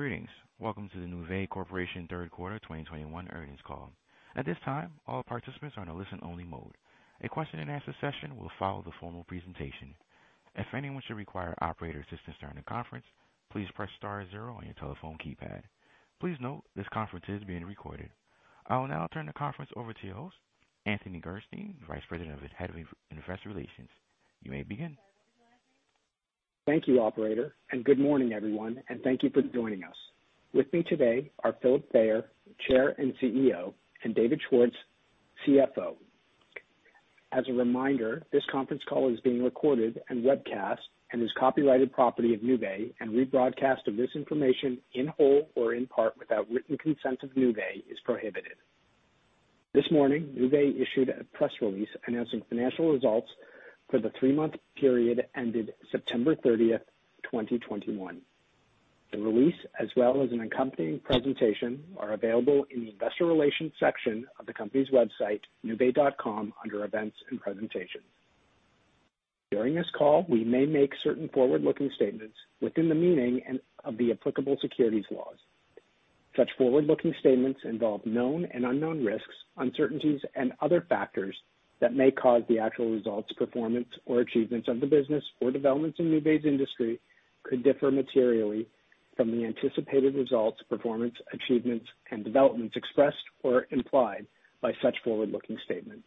Greetings. Welcome to the Nuvei Corporation third quarter 2021 earnings call. At this time, all participants are in a listen-only mode. A question-and-answer session will follow the formal presentation. If anyone should require operator assistance during the conference, please press star zero on your telephone keypad. Please note this conference is being recorded. I will now turn the conference over to your host, Anthony Gerstein, Vice President and Head of Investor Relations. You may begin. Thank you, operator, and good morning, everyone, and thank you for joining us. With me today are Philip Fayer, Chair and CEO, and David Schwartz, CFO. As a reminder, this conference call is being recorded and webcast and is copyrighted property of Nuvei, and rebroadcast of this information in whole or in part without written consent of Nuvei is prohibited. This morning, Nuvei issued a press release announcing financial results for the three-month period ended September 30, 2021. The release, as well as an accompanying presentation, are available in the investor relations section of the company's website, nuvei.com, under Events and Presentations. During this call, we may make certain forward-looking statements within the meaning and of the applicable securities laws. Such forward-looking statements involve known and unknown risks, uncertainties, and other factors that may cause the actual results, performance, or achievements of the business or developments in Nuvei's industry to differ materially from the anticipated results, performance, achievements, and developments expressed or implied by such forward-looking statements.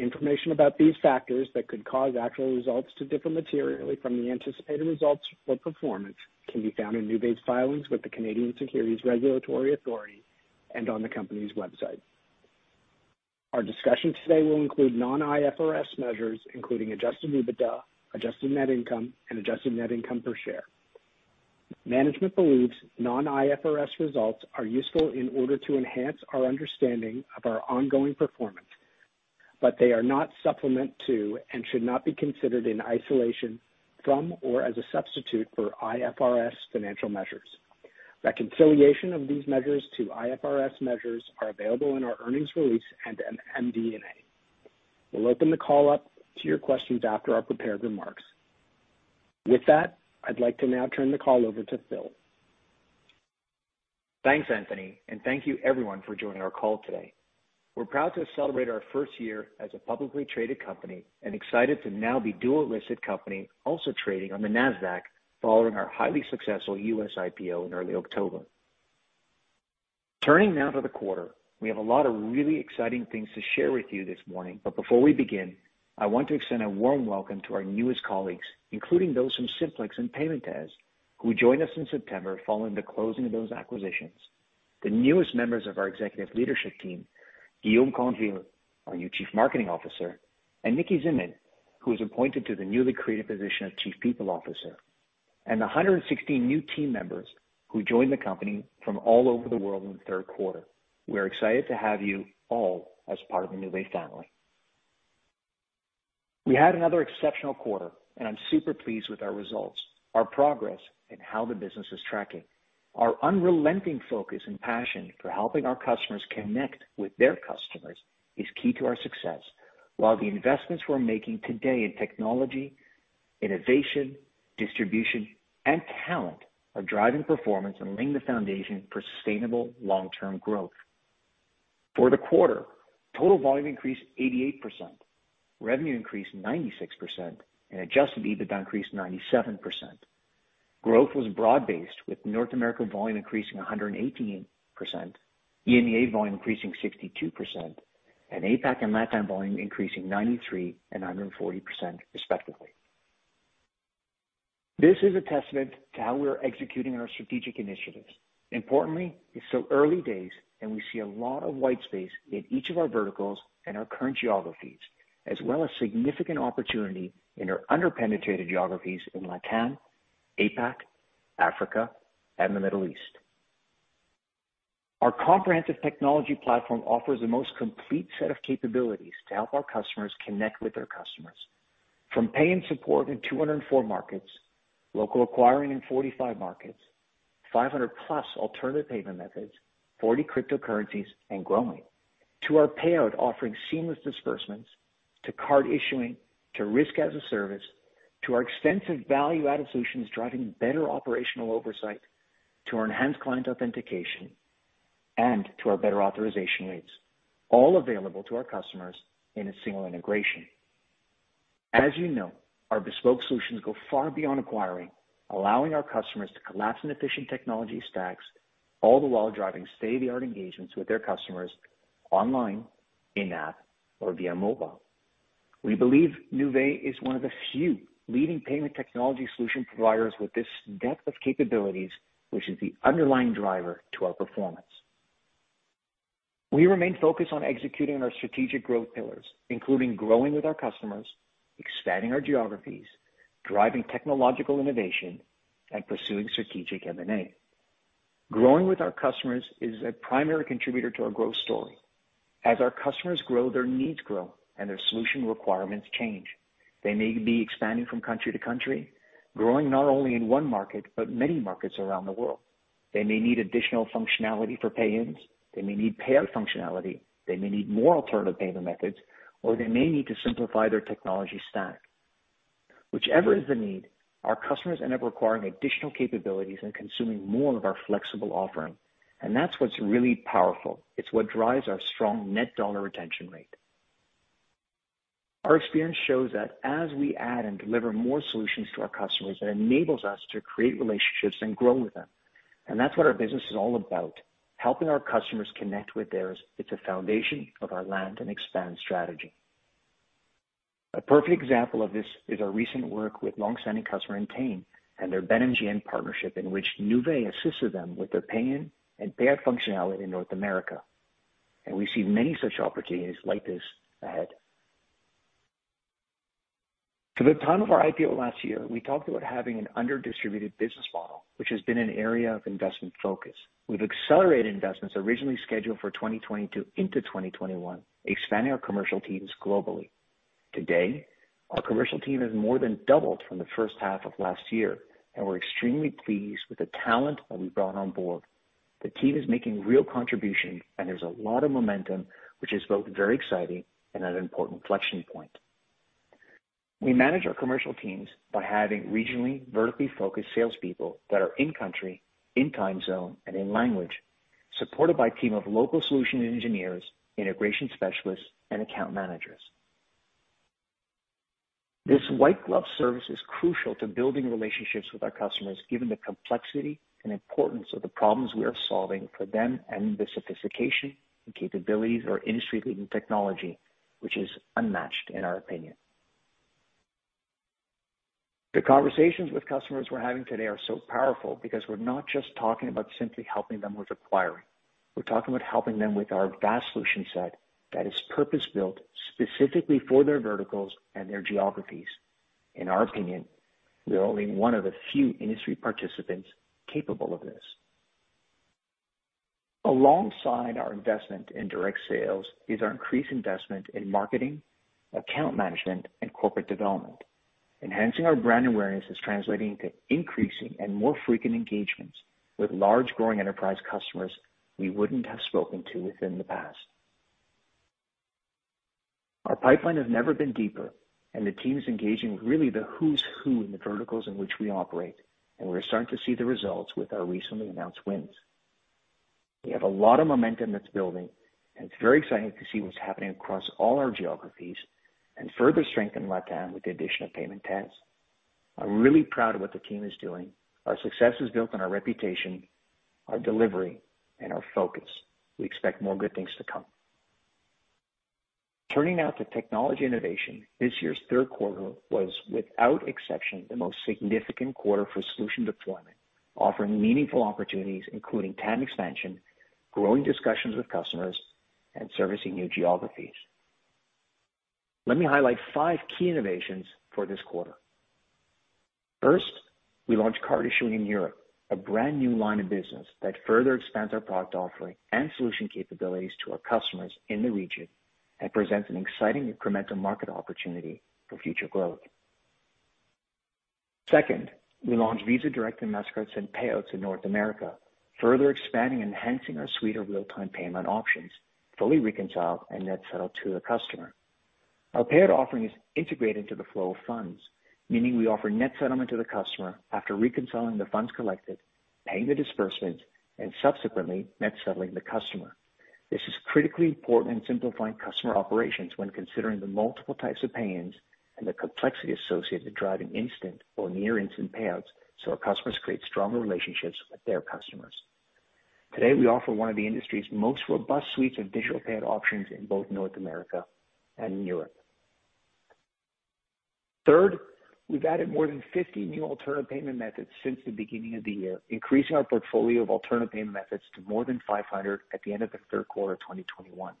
Information about these factors that could cause actual results to differ materially from the anticipated results or performance can be found in Nuvei's filings with the Canadian Securities Administrators and on the company's website. Our discussion today will include non-IFRS measures, including Adjusted EBITDA, adjusted net income, and adjusted net income per share. Management believes non-IFRS results are useful in order to enhance our understanding of our ongoing performance, but they are not a supplement to and should not be considered in isolation from or as a substitute for IFRS financial measures. Reconciliation of these measures to IFRS measures are available in our earnings release and in MD&A. We'll open the call up to your questions after our prepared remarks. With that, I'd like to now turn the call over to Phil. Thanks, Anthony, and thank you everyone for joining our call today. We're proud to celebrate our first year as a publicly traded company and excited to now be dual-listed company also trading on the Nasdaq following our highly successful U.S. IPO in early October. Turning now to the quarter, we have a lot of really exciting things to share with you this morning, but before we begin, I want to extend a warm welcome to our newest colleagues, including those from Simplex and Paymentez, who joined us in September following the closing of those acquisitions. The newest members of our executive leadership team, Guillaume Conteville, our new Chief Marketing Officer, and Nikki Zinman, who was appointed to the newly created position of Chief People Officer, and the 116 new team members who joined the company from all over the world in the third quarter. We are excited to have you all as part of the Nuvei family. We had another exceptional quarter, and I'm super pleased with our results, our progress, and how the business is tracking. Our unrelenting focus and passion for helping our customers connect with their customers is key to our success. The investments we're making today in technology, innovation, distribution, and talent are driving performance and laying the foundation for sustainable long-term growth. For the quarter, total volume increased 88%, revenue increased 96%, and Adjusted EBITDA increased 97%. Growth was broad-based, with North American volume increasing 118%, EMEA volume increasing 62%, and APAC and LATAM volume increasing 93% and 140% respectively. This is a testament to how we are executing our strategic initiatives. Importantly, it's still early days, and we see a lot of white space in each of our verticals and our current geographies, as well as significant opportunity in our under-penetrated geographies in LATAM, APAC, Africa, and the Middle East. Our comprehensive technology platform offers the most complete set of capabilities to help our customers connect with their customers. From paying support in 204 markets, local acquiring in 45 markets, 500+ alternative payment methods, 40 cryptocurrencies and growing, to our payout offering seamless disbursements to card issuing, to risk as a service, to our extensive value-added solutions driving better operational oversight, to our enhanced client authentication, and to our better authorization rates, all available to our customers in a single integration. As you know, our bespoke solutions go far beyond acquiring, allowing our customers to collapse into efficient technology stacks, all the while driving state-of-the-art engagements with their customers online, in-app, or via mobile. We believe Nuvei is one of the few leading payment technology solution providers with this depth of capabilities, which is the underlying driver to our performance. We remain focused on executing our strategic growth pillars, including growing with our customers, expanding our geographies, driving technological innovation, and pursuing strategic M&A. Growing with our customers is a primary contributor to our growth story. As our customers grow, their needs grow, and their solution requirements change. They may be expanding from country to country, growing not only in one market but many markets around the world. They may need additional functionality for pay-ins, they may need payout functionality, they may need more alternative payment methods, or they may need to simplify their technology stack. Whichever is the need, our customers end up requiring additional capabilities and consuming more of our flexible offering. That's what's really powerful. It's what drives our strong net dollar retention rate. Our experience shows that as we add and deliver more solutions to our customers, that enables us to create relationships and grow with them. That's what our business is all about, helping our customers connect with theirs. It's a foundation of our land and expand strategy. A perfect example of this is our recent work with longstanding customer Entain and their BetMGM partnership in which Nuvei assisted them with their pay in and pay out functionality in North America. We see many such opportunities like this ahead. For the time of our IPO last year, we talked about having an under-distributed business model, which has been an area of investment focus. We've accelerated investments originally scheduled for 2022 into 2021, expanding our commercial teams globally. Today, our commercial team has more than doubled from the first half of last year, and we're extremely pleased with the talent that we've brought on board. The team is making real contribution and there's a lot of momentum, which is both very exciting and an important inflection point. We manage our commercial teams by having regionally vertically focused salespeople that are in country, in time zone, and in language, supported by a team of local solution engineers, integration specialists, and account managers. This white glove service is crucial to building relationships with our customers, given the complexity and importance of the problems we are solving for them, and the sophistication and capabilities of our industry-leading technology, which is unmatched in our opinion. The conversations with customers we're having today are so powerful because we're not just talking about simply helping them with acquiring. We're talking about helping them with our vast solution set that is purpose-built specifically for their verticals and their geographies. In our opinion, we are only one of the few industry participants capable of this. Alongside our investment in direct sales is our increased investment in marketing, account management, and corporate development. Enhancing our brand awareness is translating to increasing and more frequent engagements with large growing enterprise customers we wouldn't have spoken to within the past. Our pipeline has never been deeper, and the team is engaging with really the who's who in the verticals in which we operate, and we're starting to see the results with our recently announced wins. We have a lot of momentum that's building, and it's very exciting to see what's happening across all our geographies and further strengthen LATAM with the addition of Paymentez. I'm really proud of what the team is doing. Our success is built on our reputation, our delivery, and our focus. We expect more good things to come. Turning now to technology innovation. This year's third quarter was, without exception, the most significant quarter for solution deployment, offering meaningful opportunities, including TAM expansion, growing discussions with customers, and servicing new geographies. Let me highlight five key innovations for this quarter. First, we launched card issuing in Europe, a brand new line of business that further expands our product offering and solution capabilities to our customers in the region and presents an exciting incremental market opportunity for future growth. Second, we launched Visa Direct and Mastercard Send Payouts in North America, further expanding and enhancing our suite of real-time payment options, fully reconciled and net settled to the customer. Our payout offering is integrated to the flow of funds, meaning we offer net settlement to the customer after reconciling the funds collected, paying the disbursements, and subsequently net settling the customer. This is critically important in simplifying customer operations when considering the multiple types of pay-ins and the complexity associated with driving instant or near instant payouts so our customers create stronger relationships with their customers. Today, we offer one of the industry's most robust suites of digital payout options in both North America and in Europe. Third, we've added more than 50 new alternative payment methods since the beginning of the year, increasing our portfolio of alternative payment methods to more than 500 at the end of the third quarter of 2021,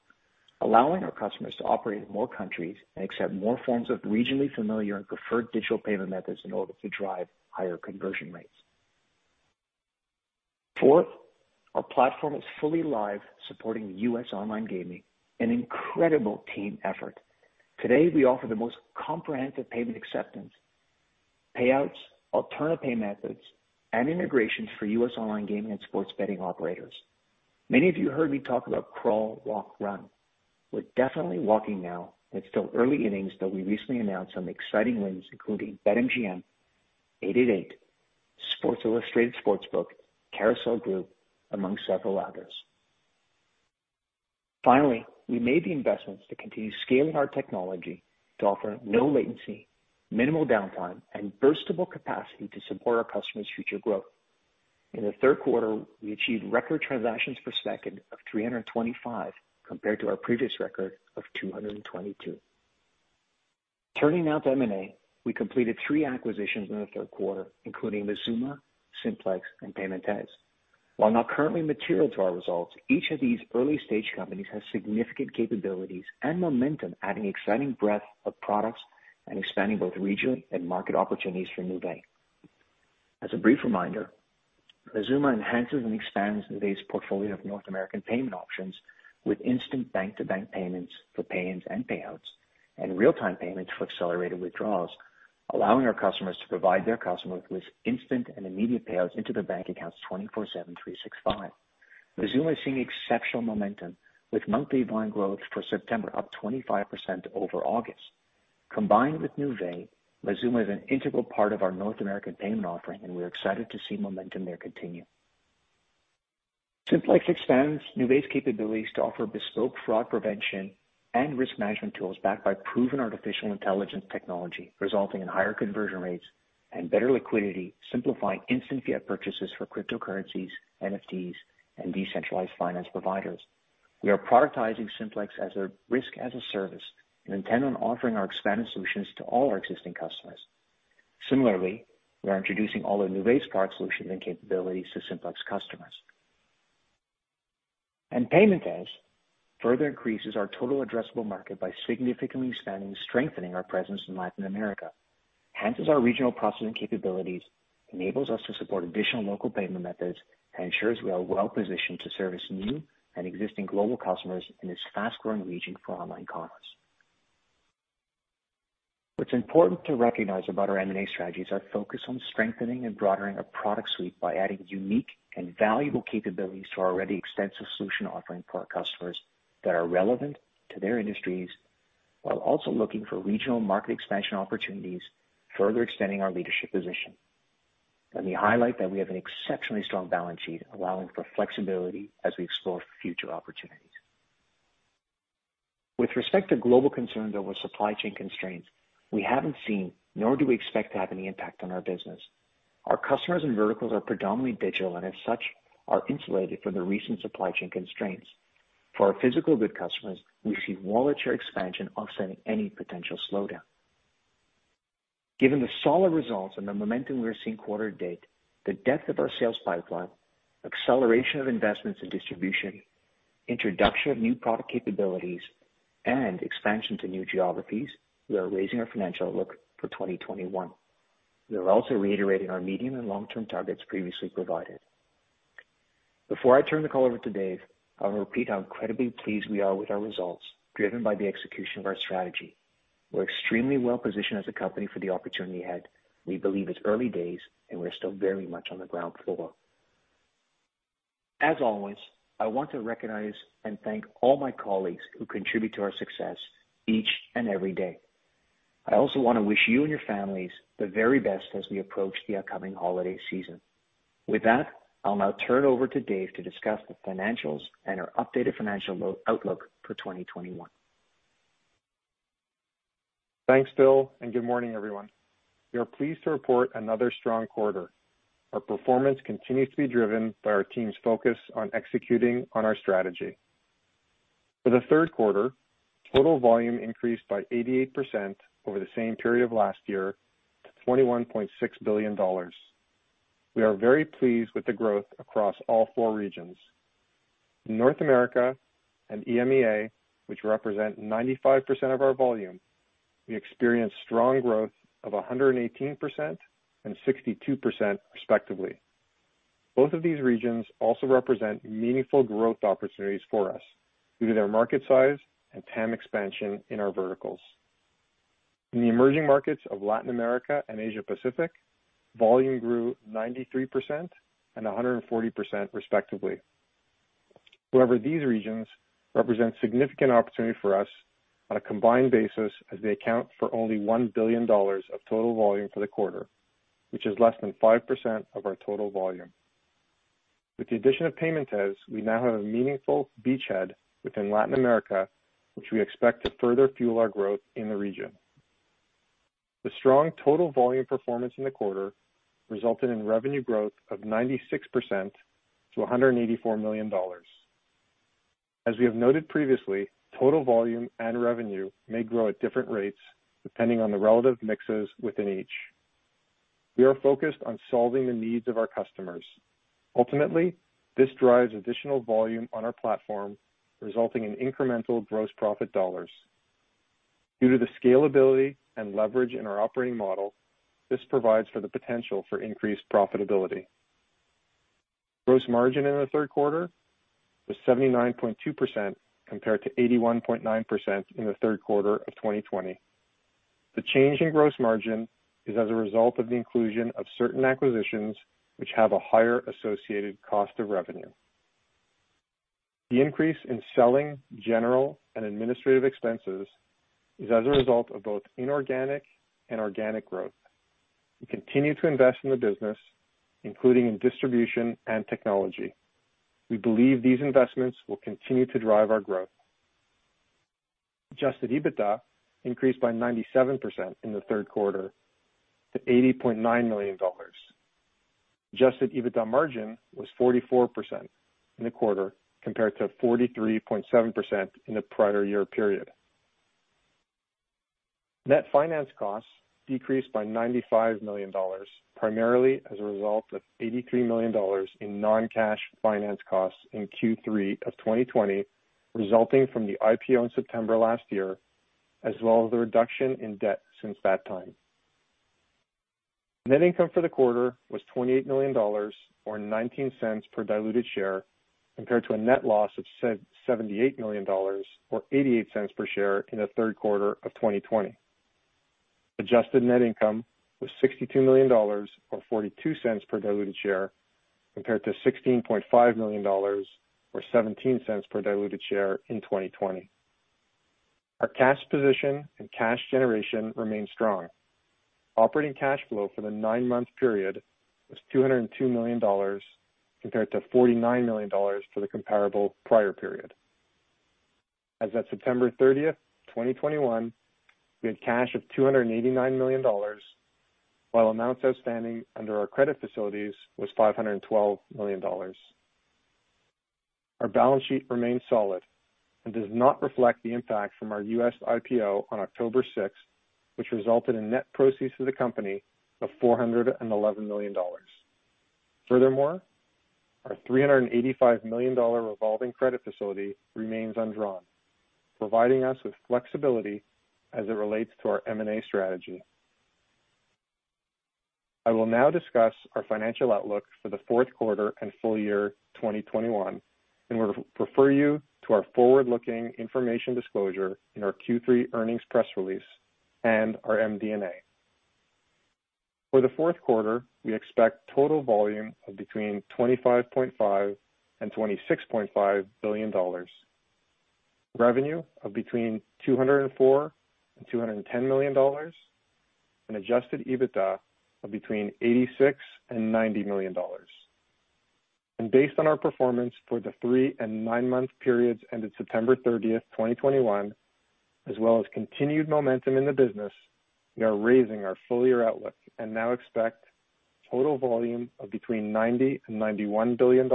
allowing our customers to operate in more countries and accept more forms of regionally familiar and preferred digital payment methods in order to drive higher conversion rates. Fourth, our platform is fully live, supporting U.S. online gaming, an incredible team effort. Today, we offer the most comprehensive payment acceptance, payouts, alternative payment methods, and integrations for U.S. online gaming and sports betting operators. Many of you heard me talk about crawl, walk, run. We're definitely walking now, and it's still early innings, though we recently announced some exciting wins, including BetMGM, 888, Sports Illustrated Sportsbook, Carousel Group, among several others. Finally, we made the investments to continue scaling our technology to offer no latency, minimal downtime, and burstable capacity to support our customers' future growth. In the third quarter, we achieved record transactions per second of 325 compared to our previous record of 222. Turning now to M&A. We completed three acquisitions in the third quarter, including Mazooma, Simplex, and Paymentez. While not currently material to our results, each of these early-stage companies has significant capabilities and momentum, adding exciting breadth of products and expanding both regionally and market opportunities for Nuvei. As a brief reminder, Mazooma enhances and expands Nuvei's portfolio of North American payment options with instant bank-to-bank payments for pay-ins and payouts, and real-time payments for accelerated withdrawals. Allowing our customers to provide their customers with instant and immediate payouts into their bank accounts 24/7, 365. Mazooma is seeing exceptional momentum with monthly volume growth for September up 25% over August. Combined with Nuvei, Mazooma is an integral part of our North American payment offering, and we're excited to see momentum there continue. Simplex expands Nuvei's capabilities to offer bespoke fraud prevention and risk management tools backed by proven artificial intelligence technology, resulting in higher conversion rates and better liquidity, simplifying instant fiat purchases for cryptocurrencies, NFTs, and decentralized finance providers. We are prioritizing Simplex as a risk as a service and intend on offering our expanded solutions to all our existing customers. Similarly, we are introducing all of Nuvei's product solutions and capabilities to Simplex customers. Paymentez further increases our total addressable market by significantly expanding and strengthening our presence in Latin America, enhances our regional processing capabilities, enables us to support additional local payment methods, and ensures we are well-positioned to service new and existing global customers in this fast-growing region for online commerce. What's important to recognize about our M&A strategy is our focus on strengthening and broadening our product suite by adding unique and valuable capabilities to our already extensive solution offering for our customers that are relevant to their industries, while also looking for regional market expansion opportunities, further extending our leadership position. Let me highlight that we have an exceptionally strong balance sheet allowing for flexibility as we explore future opportunities. With respect to global concerns over supply chain constraints, we haven't seen nor do we expect to have any impact on our business. Our customers and verticals are predominantly digital and as such are insulated from the recent supply chain constraints. For our physical good customers, we see wallet share expansion offsetting any potential slowdown. Given the solid results and the momentum we are seeing quarter to date, the depth of our sales pipeline, acceleration of investments in distribution, introduction of new product capabilities, and expansion to new geographies, we are raising our financial outlook for 2021. We are also reiterating our medium and long-term targets previously provided. Before I turn the call over to Dave, I will repeat how incredibly pleased we are with our results driven by the execution of our strategy. We're extremely well positioned as a company for the opportunity ahead. We believe it's early days and we're still very much on the ground floor. As always, I want to recognize and thank all my colleagues who contribute to our success each and every day. I also want to wish you and your families the very best as we approach the upcoming holiday season. With that, I'll now turn it over to Dave to discuss the financials and our updated financial outlook for 2021. Thanks, Phil, and good morning, everyone. We are pleased to report another strong quarter. Our performance continues to be driven by our team's focus on executing on our strategy. For the third quarter, total volume increased by 88% over the same period of last year to $21.6 billion. We are very pleased with the growth across all four regions. In North America and EMEA, which represent 95% of our volume, we experienced strong growth of 118% and 62% respectively. Both of these regions also represent meaningful growth opportunities for us due to their market size and TAM expansion in our verticals. In the emerging markets of Latin America and Asia Pacific, volume grew 93% and 140% respectively. However, these regions represent significant opportunity for us on a combined basis as they account for only $1 billion of total volume for the quarter, which is less than 5% of our total volume. With the addition of Paymentez, we now have a meaningful beachhead within Latin America, which we expect to further fuel our growth in the region. The strong total volume performance in the quarter resulted in revenue growth of 96% to $184 million. As we have noted previously, total volume and revenue may grow at different rates depending on the relative mixes within each. We are focused on solving the needs of our customers. Ultimately, this drives additional volume on our platform, resulting in incremental gross profit dollars. Due to the scalability and leverage in our operating model, this provides for the potential for increased profitability. Gross margin in the third quarter was 79.2% compared to 81.9% in the third quarter of 2020. The change in gross margin is as a result of the inclusion of certain acquisitions which have a higher associated cost of revenue. The increase in selling, general, and administrative expenses is as a result of both inorganic and organic growth. We continue to invest in the business, including in distribution and technology. We believe these investments will continue to drive our growth. Adjusted EBITDA increased by 97% in the third quarter to $80.9 million. Adjusted EBITDA margin was 44% in the quarter compared to 43.7% in the prior year period. Net finance costs decreased by $95 million, primarily as a result of $83 million in non-cash finance costs in Q3 of 2020, resulting from the IPO in September last year, as well as the reduction in debt since that time. Net income for the quarter was $28 million or $0.19 per diluted share compared to a net loss of $78 million or $0.88 per share in the third quarter of 2020. Adjusted net income was $62 million or $0.42 per diluted share compared to $16.5 million or $0.17 per diluted share in 2020. Our cash position and cash generation remain strong. Operating cash flow for the 9-month period was $202 million compared to $49 million for the comparable prior period. As of September 30, 2021, we had cash of $289 million, while amounts outstanding under our credit facilities was $512 million. Our balance sheet remains solid and does not reflect the impact from our U.S. IPO on October 6, which resulted in net proceeds to the company of $411 million. Furthermore, our $385 million dollar revolving credit facility remains undrawn, providing us with flexibility as it relates to our M&A strategy. I will now discuss our financial outlook for the fourth quarter and full year 2021, and we refer you to our forward-looking information disclosure in our Q3 earnings press release and our MD&A. For the fourth quarter, we expect total volume of between $25.5 billion-$26.5 billion, revenue of between $204 million-$210 million, and Adjusted EBITDA of between $86 million-$90 million. Based on our performance for the three- and nine-month periods ended September 30, 2021, as well as continued momentum in the business, we are raising our full-year outlook and now expect total volume of between $90 billion-$91 billion,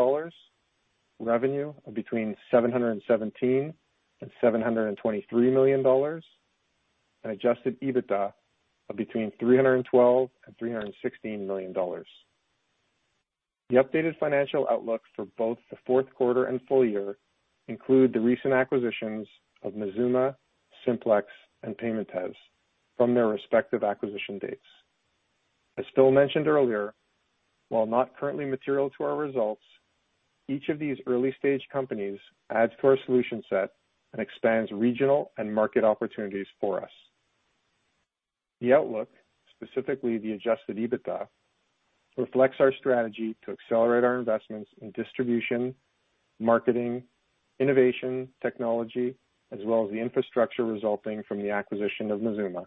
revenue of between $717 million-$723 million, and Adjusted EBITDA of between $312 million-$316 million. The updated financial outlook for both the fourth quarter and full year include the recent acquisitions of Mazooma, Simplex and Paymentez from their respective acquisition dates. As Phil mentioned earlier, while not currently material to our results, each of these early-stage companies adds to our solution set and expands regional and market opportunities for us. The outlook, specifically the Adjusted EBITDA, reflects our strategy to accelerate our investments in distribution, marketing, innovation, technology, as well as the infrastructure resulting from the acquisition of Mazooma.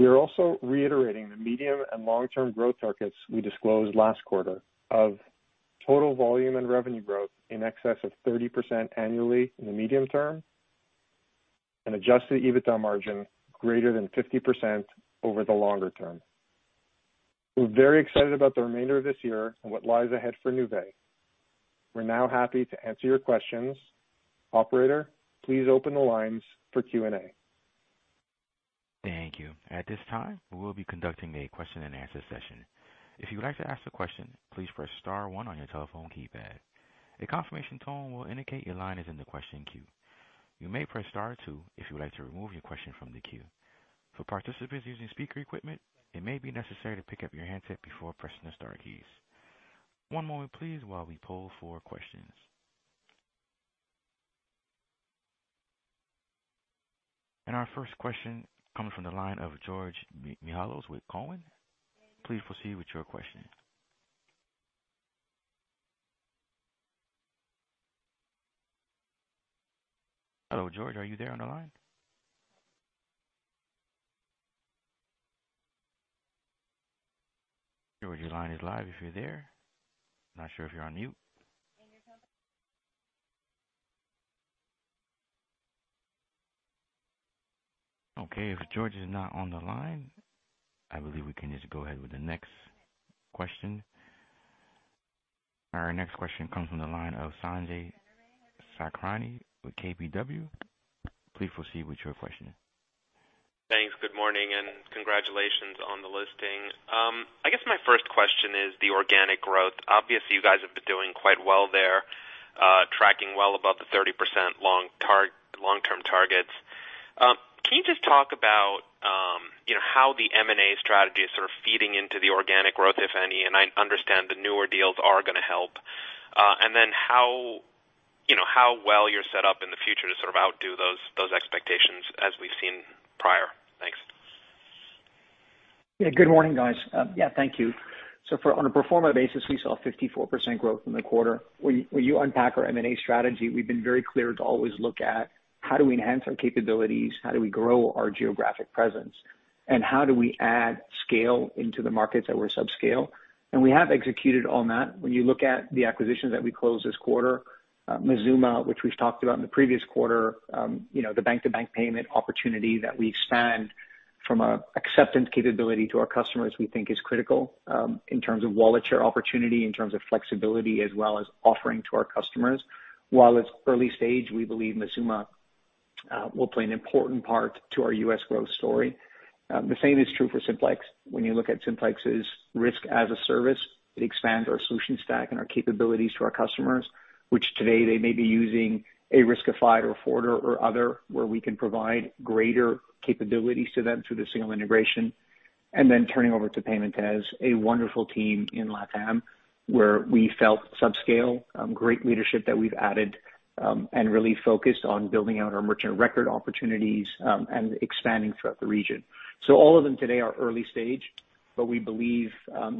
We are also reiterating the medium- and long-term growth targets we disclosed last quarter of total volume and revenue growth in excess of 30% annually in the medium term and Adjusted EBITDA margin greater than 50% over the longer term. We're very excited about the remainder of this year and what lies ahead for Nuvei. We're now happy to answer your questions. Operator, please open the lines for Q&A. Thank you. At this time, we will be conducting a question-and-answer session. If you would like to ask a question, please press star one on your telephone keypad. A confirmation tone will indicate your line is in the question queue. You may press star two if you would like to remove your question from the queue. For participants using speaker equipment, it may be necessary to pick up your handset before pressing the star keys. One moment please while we poll for questions. Our first question comes from the line of George Mihalos with Cowen. Please proceed with your question. Hello, George, are you there on the line? George, your line is live if you're there. Not sure if you're on mute. Okay, if George is not on the line, I believe we can just go ahead with the next question. Our next question comes from the line of Sanjay Sakhrani with KBW. Please proceed with your question. Thanks. Good morning and congratulations on the listing. I guess my first question is the organic growth. Obviously, you guys have been doing quite well there, tracking well above the 30% long-term targets. Can you just talk about, you know, how the M&A strategy is sort of feeding into the organic growth, if any? I understand the newer deals are gonna help. How well you're set up in the future to sort of outdo those expectations as we've seen prior. Thanks. Yeah. Good morning, guys. Thank you. On a pro forma basis, we saw 54% growth in the quarter. When you unpack our M&A strategy, we've been very clear to always look at how do we enhance our capabilities, how do we grow our geographic presence, and how do we add scale into the markets that we're subscale. We have executed on that. When you look at the acquisitions that we closed this quarter, Mazooma, which we've talked about in the previous quarter, the bank-to-bank payment opportunity that we expand from an acceptance capability to our customers we think is critical, in terms of wallet share opportunity, in terms of flexibility, as well as offering to our customers. While it's early stage, we believe Mazooma will play an important part to our U.S. growth story. The same is true for Simplex. When you look at Simplex's risk as a service, it expands our solution stack and our capabilities to our customers, which today they may be using a Riskified or Forter or other, where we can provide greater capabilities to them through the single integration. Then turning over to Paymentez, a wonderful team in LATAM, where we felt subscale, great leadership that we've added, and really focused on building out our merchant of record opportunities, and expanding throughout the region. All of them today are early stage, but we believe,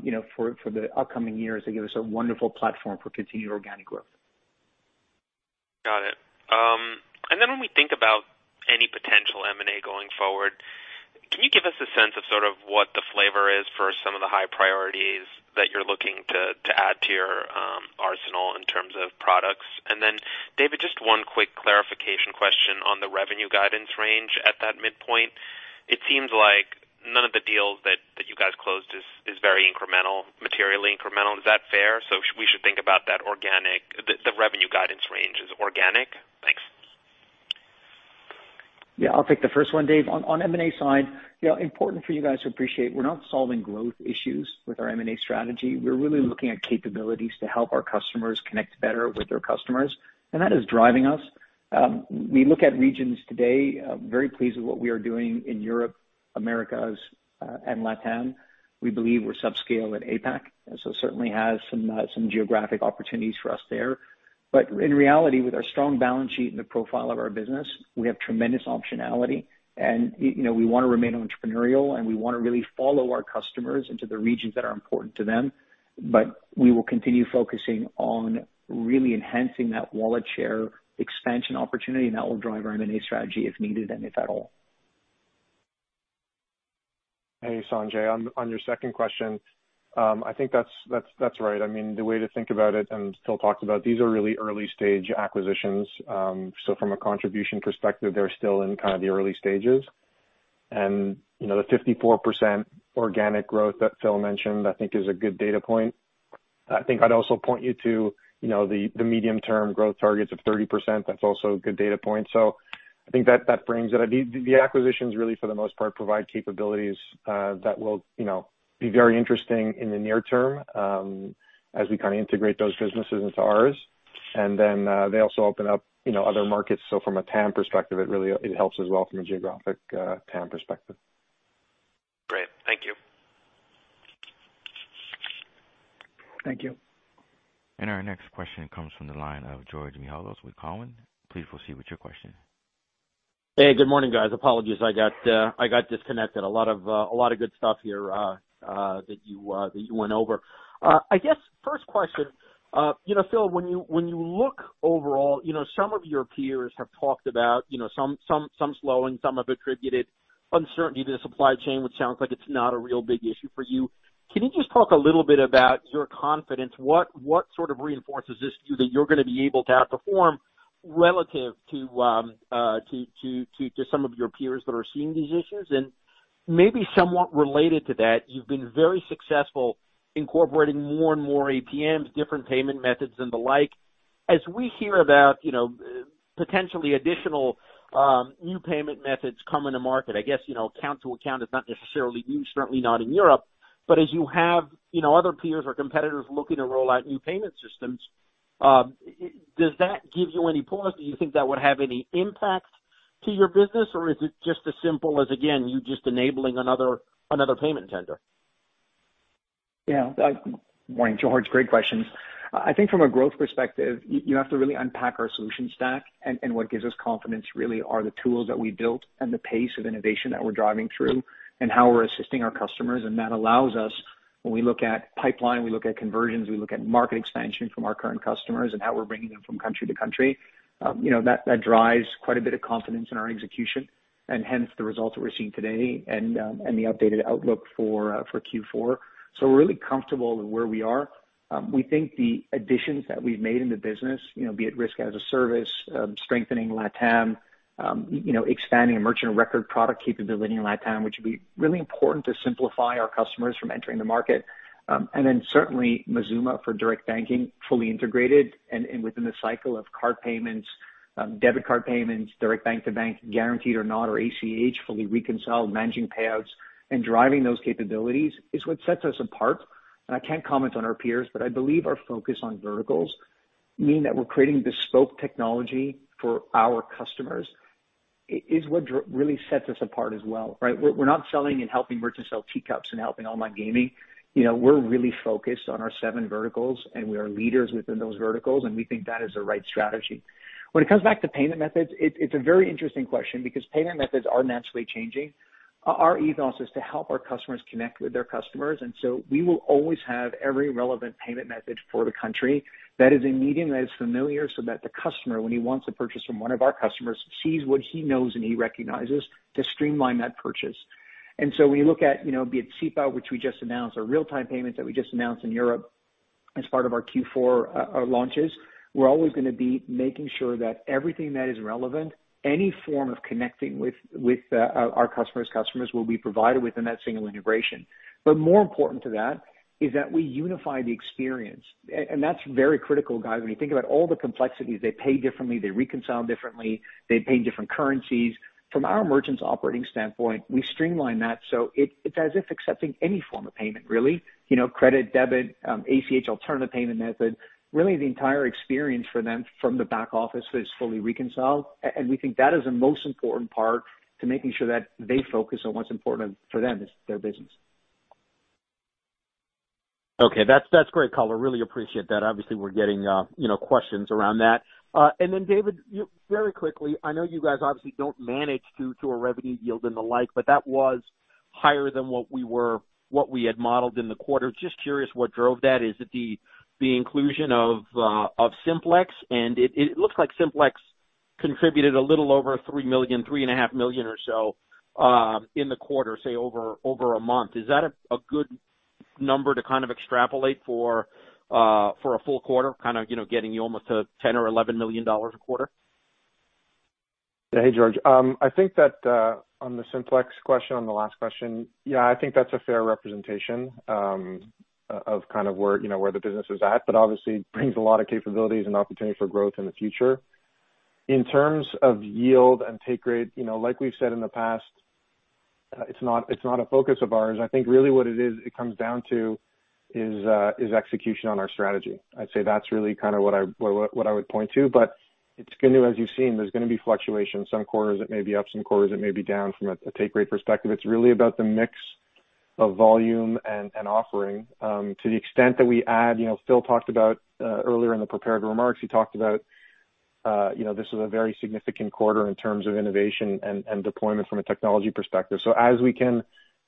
you know, for the upcoming years, they give us a wonderful platform for continued organic growth. Got it. When we think about any potential M&A going forward, can you give us a sense of sort of what the flavor is for some of the high priorities that you're looking to add to your arsenal in terms of products? David, just one quick clarification question on the revenue guidance range at that midpoint. It seems like none of the deals that you guys closed is very incremental, materially incremental. Is that fair? We should think about that the revenue guidance range is organic? Thanks. Yeah. I'll take the first one, Dave. On M&A side, you know, important for you guys to appreciate, we're not solving growth issues with our M&A strategy. We're really looking at capabilities to help our customers connect better with their customers, and that is driving us. We look at regions today, very pleased with what we are doing in Europe, Americas, and LATAM. We believe we're subscale at APAC, and so certainly has some geographic opportunities for us there. But in reality, with our strong balance sheet and the profile of our business, we have tremendous optionality and, you know, we wanna remain entrepreneurial, and we wanna really follow our customers into the regions that are important to them. We will continue focusing on really enhancing that wallet share expansion opportunity, and that will drive our M&A strategy if needed and if at all. Hey, Sanjay. On your second question, I think that's right. I mean, the way to think about it and still talk about these are really early stage acquisitions. From a contribution perspective, they're still in kind of the early stages. You know, the 54% organic growth that Phil mentioned, I think is a good data point. I think I'd also point you to, you know, the medium-term growth targets of 30%. That's also a good data point. I think that brings it. I mean, the acquisitions really, for the most part, provide capabilities that will, you know, be very interesting in the near term, as we kinda integrate those businesses into ours. They also open up, you know, other markets. From a TAM perspective, it really helps as well from a geographic TAM perspective. Great. Thank you. Thank you. Our next question comes from the line of George Mihalos with Cowen. Please proceed with your question. Hey, good morning, guys. Apologies, I got disconnected. A lot of good stuff here that you went over. I guess first question, you know, Phil, when you look overall, you know, some of your peers have talked about, you know, some slowing, some have attributed uncertainty to the supply chain, which sounds like it's not a real big issue for you. Can you just talk a little bit about your confidence? What sort of reinforces this to you that you're gonna be able to outperform relative to some of your peers that are seeing these issues? Maybe somewhat related to that, you've been very successful incorporating more and more APMs, different payment methods and the like. As we hear about, you know, potentially additional, new payment methods coming to market, I guess, you know, account to account is not necessarily new, certainly not in Europe. But as you have, you know, other peers or competitors looking to roll out new payment systems, does that give you any pause? Do you think that would have any impact to your business, or is it just as simple as, again, you just enabling another payment tender? Yeah. Morning, George. Great questions. I think from a growth perspective, you have to really unpack our solution stack, and what gives us confidence really are the tools that we built and the pace of innovation that we're driving through and how we're assisting our customers. That allows us, when we look at pipeline, we look at conversions, we look at market expansion from our current customers and how we're bringing them from country to country, you know, that drives quite a bit of confidence in our execution, and hence the results that we're seeing today and the updated outlook for Q4. We're really comfortable with where we are. We think the additions that we've made in the business, you know, be it risk as a service, strengthening LATAM, you know, expanding a merchant of record product capability in LATAM, which would be really important to simplify our customers from entering the market. Then certainly Mazooma for direct banking, fully integrated and within the cycle of card payments, debit card payments, direct bank to bank, guaranteed or not, or ACH, fully reconciled, managing payouts and driving those capabilities is what sets us apart. I can't comment on our peers, but I believe our focus on verticals mean that we're creating bespoke technology for our customers is what really sets us apart as well, right? We're not selling and helping merchants sell teacups and helping online gaming. You know, we're really focused on our seven verticals, and we are leaders within those verticals, and we think that is the right strategy. When it comes back to payment methods, it's a very interesting question because payment methods are naturally changing. Our ethos is to help our customers connect with their customers. We will always have every relevant payment method for the country that is a medium that is familiar so that the customer, when he wants to purchase from one of our customers, sees what he knows and he recognizes to streamline that purchase. When you look at, you know, be it SEPA, which we just announced, or real-time payments that we just announced in Europe as part of our Q4 launches, we're always gonna be making sure that everything that is relevant, any form of connecting with our customers' customers will be provided within that single integration. More important to that is that we unify the experience. That's very critical, guys. When you think about all the complexities, they pay differently, they reconcile differently, they pay in different currencies. From our merchants operating standpoint, we streamline that, so it's as if accepting any form of payment, really. You know, credit, debit, ACH, alternative payment method. Really, the entire experience for them from the back office is fully reconciled. We think that is the most important part to making sure that they focus on what's important for them is their business. Okay. That's great color. Really appreciate that. Obviously, we're getting questions around that. And then David, very quickly, I know you guys obviously don't manage to a revenue yield and the like, but that was higher than what we had modeled in the quarter. Just curious what drove that. Is it the inclusion of Simplex? And it looks like Simplex contributed a little over $3 million, $3.5 million or so, in the quarter, say over a month. Is that a good number to kind of extrapolate for a full quarter, kind of getting you almost to $10 million or $11 million a quarter? Yeah. Hey, George. I think that on the Simplex question, on the last question, yeah, I think that's a fair representation of kind of where, you know, where the business is at, but obviously brings a lot of capabilities and opportunity for growth in the future. In terms of yield and take rate, you know, like we've said in the past, it's not a focus of ours. I think really what it is comes down to is execution on our strategy. I'd say that's really kind of what I would point to. But as you've seen, there's gonna be fluctuation. Some quarters it may be up, some quarters it may be down from a take rate perspective. It's really about the mix of volume and offering. To the extent that we add, you know, Phil talked about earlier in the prepared remarks, he talked about, you know, this is a very significant quarter in terms of innovation and deployment from a technology perspective. As we can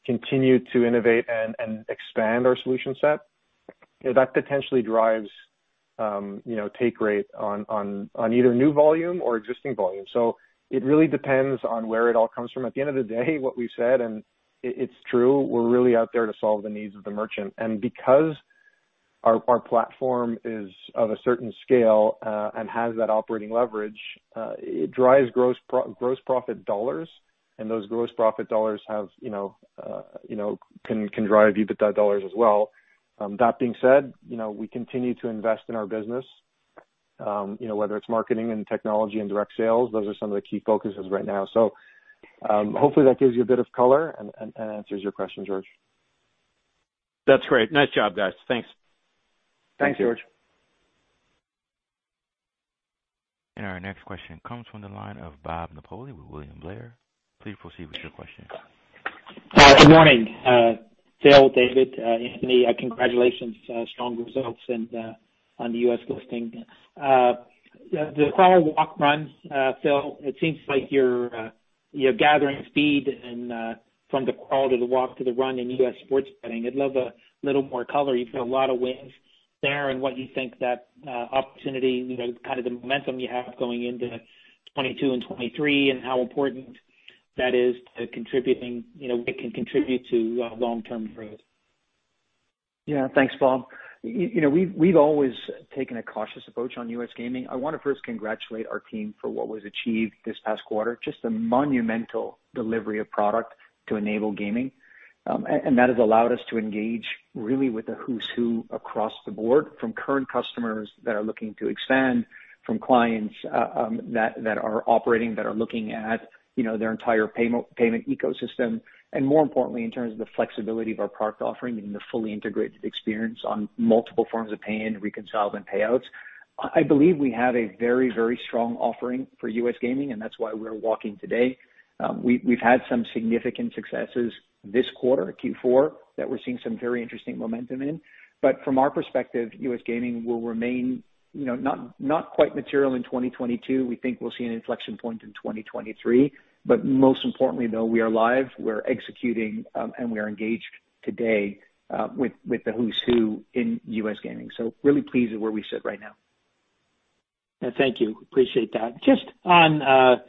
continue to innovate and expand our solution set, you know, that potentially drives, you know, take rate on either new volume or existing volume. It really depends on where it all comes from. At the end of the day, what we've said, and it's true, we're really out there to solve the needs of the merchant. Because our platform is of a certain scale and has that operating leverage, it drives gross profit dollars, and those gross profit dollars, you know, can drive EBITDA dollars as well. That being said, you know, we continue to invest in our business, you know, whether it's marketing and technology and direct sales, those are some of the key focuses right now. Hopefully that gives you a bit of color and answers your question, George. That's great. Nice job, guys. Thanks. Thanks, George. Our next question comes from the line of Bob Napoli with William Blair. Please proceed with your question. Good morning, Phil, David, Anthony. Congratulations on strong results and the U.S. listing. The crawl, walk, run, Phil. It seems like you're gathering speed from the crawl to the walk to the run in U.S. sports betting. I'd love a little more color. You've had a lot of wins there, and what you think that opportunity, you know, kind of the momentum you have going into 2022 and 2023, and how important that is to contributing, you know, it can contribute to long-term growth. Yeah. Thanks, Bob. You know, we've always taken a cautious approach on U.S. gaming. I wanna first congratulate our team for what was achieved this past quarter. Just a monumental delivery of product to enable gaming. That has allowed us to engage really with the who's who across the board, from current customers that are looking to expand, from clients that are operating that are looking at, you know, their entire payment ecosystem. More importantly, in terms of the flexibility of our product offering and the fully integrated experience on multiple forms of pay-in, reconcile, and payouts, I believe we have a very, very strong offering for U.S. gaming, and that's why we're talking today. We've had some significant successes this quarter, Q4, that we're seeing some very interesting momentum in. From our perspective, U.S. gaming will remain, you know, not quite material in 2022. We think we'll see an inflection point in 2023. Most importantly, though, we are live, we're executing, and we are engaged today with the who's who in U.S. gaming. Really pleased with where we sit right now. Thank you. Appreciate that. Just on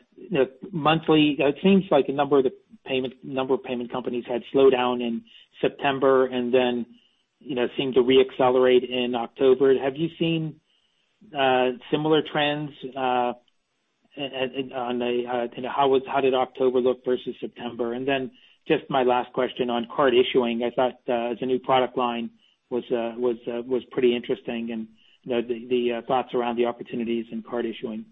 monthly, it seems like a number of payment companies had slowed down in September and then seemed to re-accelerate in October. Have you seen similar trends at on a kind of how did October look versus September? Just my last question on card issuing, I thought as a new product line was pretty interesting and the thoughts around the opportunities in card issuing.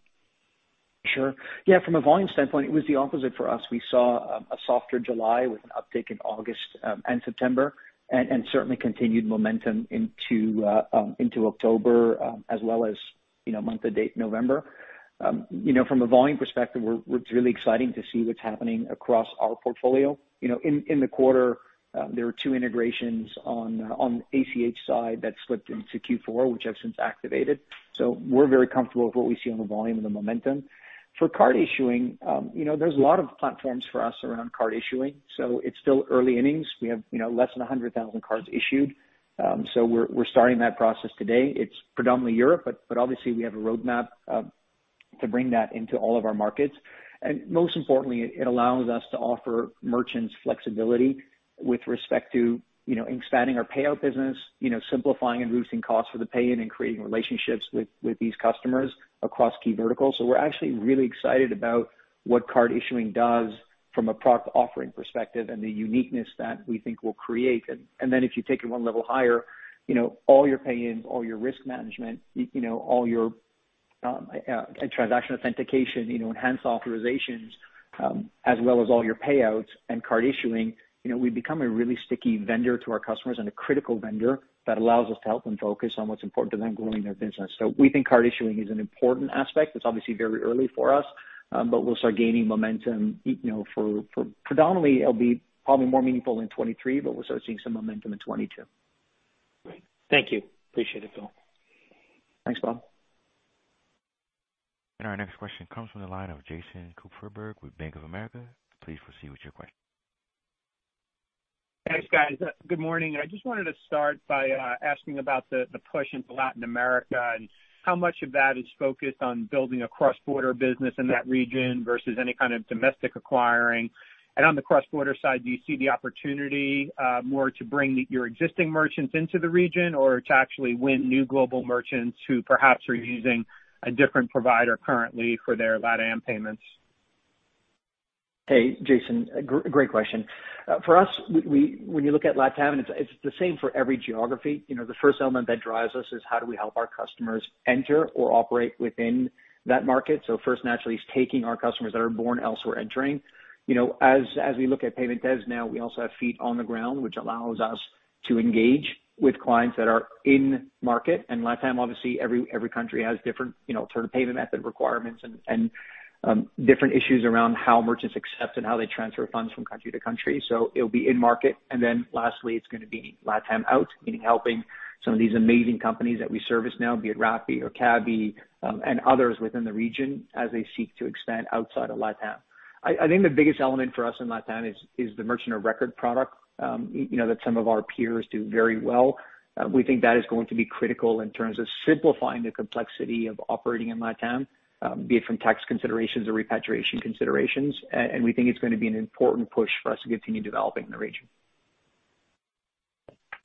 Sure. Yeah, from a volume standpoint, it was the opposite for us. We saw a softer July with an uptick in August and September and certainly continued momentum into October as well as, you know, month to date November. You know, from a volume perspective, we're really exciting to see what's happening across our portfolio. You know, in the quarter, there were two integrations on the ACH side that slipped into Q4, which have since activated. So we're very comfortable with what we see on the volume and the momentum. For card issuing, you know, there's a lot of platforms for us around card issuing, so it's still early innings. We have, you know, less than 100,000 cards issued. So we're starting that process today. It's predominantly Europe, but obviously we have a roadmap to bring that into all of our markets. Most importantly, it allows us to offer merchants flexibility with respect to, you know, expanding our payout business, you know, simplifying and reducing costs for the pay-in and creating relationships with these customers across key verticals. We're actually really excited about what card issuing does from a product offering perspective and the uniqueness that we think will create. Then if you take it one level higher, you know, all your pay-ins, all your risk management, you know, all your transaction authentication, you know, enhanced authorizations, as well as all your payouts and card issuing, you know, we become a really sticky vendor to our customers and a critical vendor that allows us to help them focus on what's important to them growing their business. We think card issuing is an important aspect. It's obviously very early for us, but we'll start gaining momentum, you know, for predominantly it'll be probably more meaningful in 2023, but we're also seeing some momentum in 2022. Great. Thank you. Appreciate it, Philip. Thanks, Bob. Our next question comes from the line of Jason Kupferberg with Bank of America. Please proceed with your question. Thanks, guys. Good morning. I just wanted to start by asking about the push into Latin America and how much of that is focused on building a cross-border business in that region versus any kind of domestic acquiring. On the cross-border side, do you see the opportunity more to bring your existing merchants into the region or to actually win new global merchants who perhaps are using a different provider currently for their LatAm payments? Hey, Jason. Great question. For us, we—when you look at LatAm, and it's the same for every geography, you know, the first element that drives us is how do we help our customers enter or operate within that market. First naturally is taking our customers that are born elsewhere, entering. You know, as we look at payment devs now, we also have feet on the ground, which allows us to engage with clients that are in market. LatAm, obviously, every country has different, you know, sort of payment method requirements and different issues around how merchants accept and how they transfer funds from country to country. It'll be in market. Then lastly, it's gonna be LatAm out, meaning helping some of these amazing companies that we service now, be it Rappi or Cabify, and others within the region as they seek to expand outside of LatAm. I think the biggest element for us in LatAm is the merchant of record product, you know, that some of our peers do very well. We think that is going to be critical in terms of simplifying the complexity of operating in LatAm, be it from tax considerations or repatriation considerations. And we think it's gonna be an important push for us to continue developing in the region.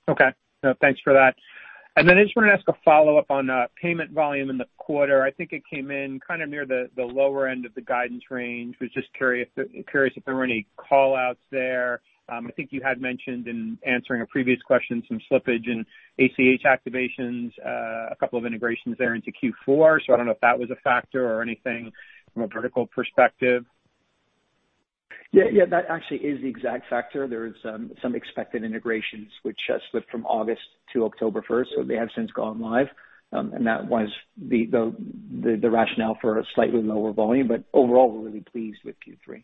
Okay. No, thanks for that. Then I just wanted to ask a follow-up on payment volume in the quarter. I think it came in kinda near the lower end of the guidance range. Was just curious if there were any call-outs there. I think you had mentioned in answering a previous question some slippage in ACH activations, a couple of integrations there into Q4. I don't know if that was a factor or anything from a vertical perspective. Yeah, that actually is the exact factor. There is some expected integrations which slipped from August to October first, so they have since gone live. And that was the rationale for a slightly lower volume. Overall, we're really pleased with Q3.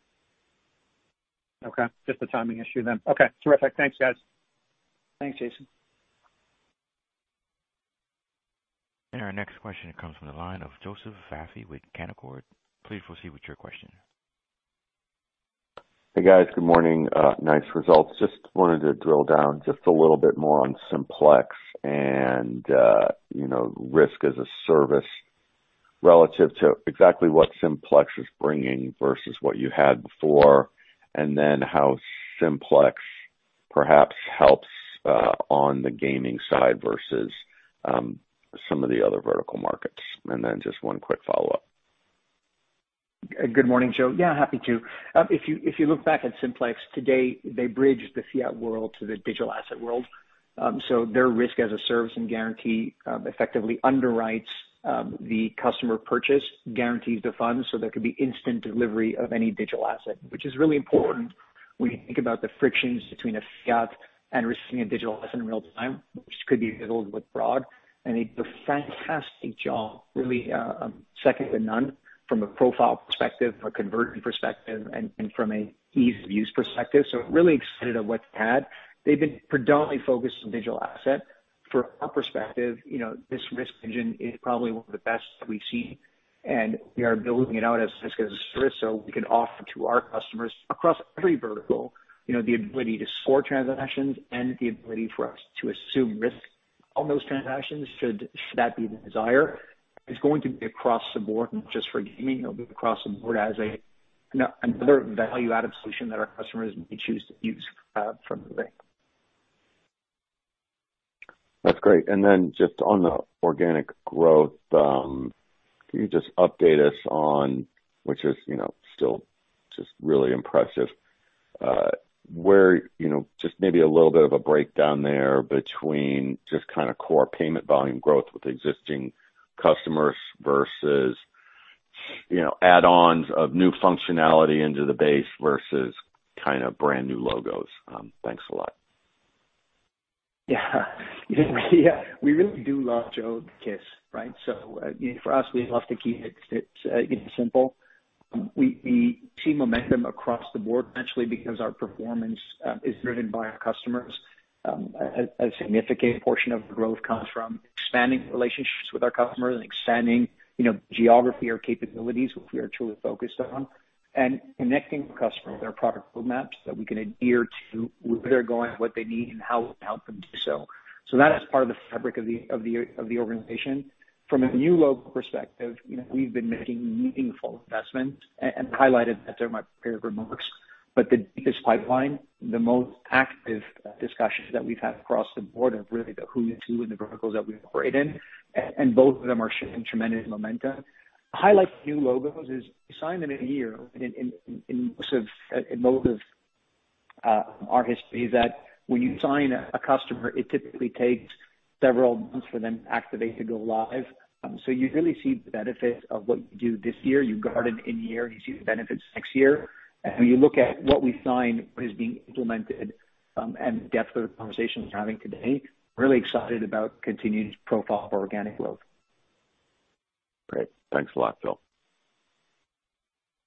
Okay. Just a timing issue then. Okay. Terrific. Thanks, guys. Thanks, Jason. Our next question comes from the line of Joseph Vafi with Canaccord. Please proceed with your question. Hey, guys. Good morning. Nice results. Just wanted to drill down just a little bit more on Simplex and, you know, risk as a service relative to exactly what Simplex is bringing versus what you had before, and then how Simplex perhaps helps on the gaming side versus some of the other vertical markets. Then just one quick follow-up. Good morning, Joe. Yeah, happy to. If you look back at Simplex, today they bridge the fiat world to the digital asset world. Their risk as a service and guarantee effectively underwrites the customer purchase, guarantees the funds, so there could be instant delivery of any digital asset, which is really important when you think about the frictions between a fiat and receiving a digital asset in real time, which could be a little bit broad. They do a fantastic job, really, second to none from a profile perspective, from a conversion perspective, and from an ease of use perspective. Really excited at what they had. They've been predominantly focused on digital asset. From our perspective, you know, this risk engine is probably one of the best we've seen, and we are building it out as risk as a service so we can offer to our customers across every vertical, you know, the ability to score transactions and the ability for us to assume risk on those transactions should that be the desire. It's going to be across the board, not just for gaming. It'll be across the board as another value-added solution that our customers may choose to use from the bank. That's great. Just on the organic growth, can you just update us on which is, you know, still just really impressive, where, you know, just maybe a little bit of a breakdown there between just kinda core payment volume growth with existing customers versus, you know, add-ons of new functionality into the base versus kinda brand-new logos. Thanks a lot. Yeah. We really do love Joe kiss, right? You know, for us, we love to keep it simple. We see momentum across the board eventually because our performance is driven by our customers. A significant portion of growth comes from expanding relationships with our customers and expanding geography or capabilities, which we are truly focused on, and connecting with customers with our product roadmaps that we can adhere to where they're going, what they need, and how we'll help them do so. That is part of the fabric of the organization. From a new logo perspective, you know, we've been making meaningful investments and highlighted that during my prepared remarks. The deepest pipeline, the most active discussions that we've had across the board are really the e-com and the two and the verticals that we operate in, and both of them are showing tremendous momentum. The highlight of new logos is we sign them in a year. In most of our history, it is that when you sign a customer, it typically takes several months for them to activate to go live. So you really see the benefit of what you do this year. You garden in a year, you see the benefits next year. When you look at what we've signed, what is being implemented, and the depth of the conversations we're having today, really excited about continuing to propel organic growth. Great. Thanks a lot, Phil.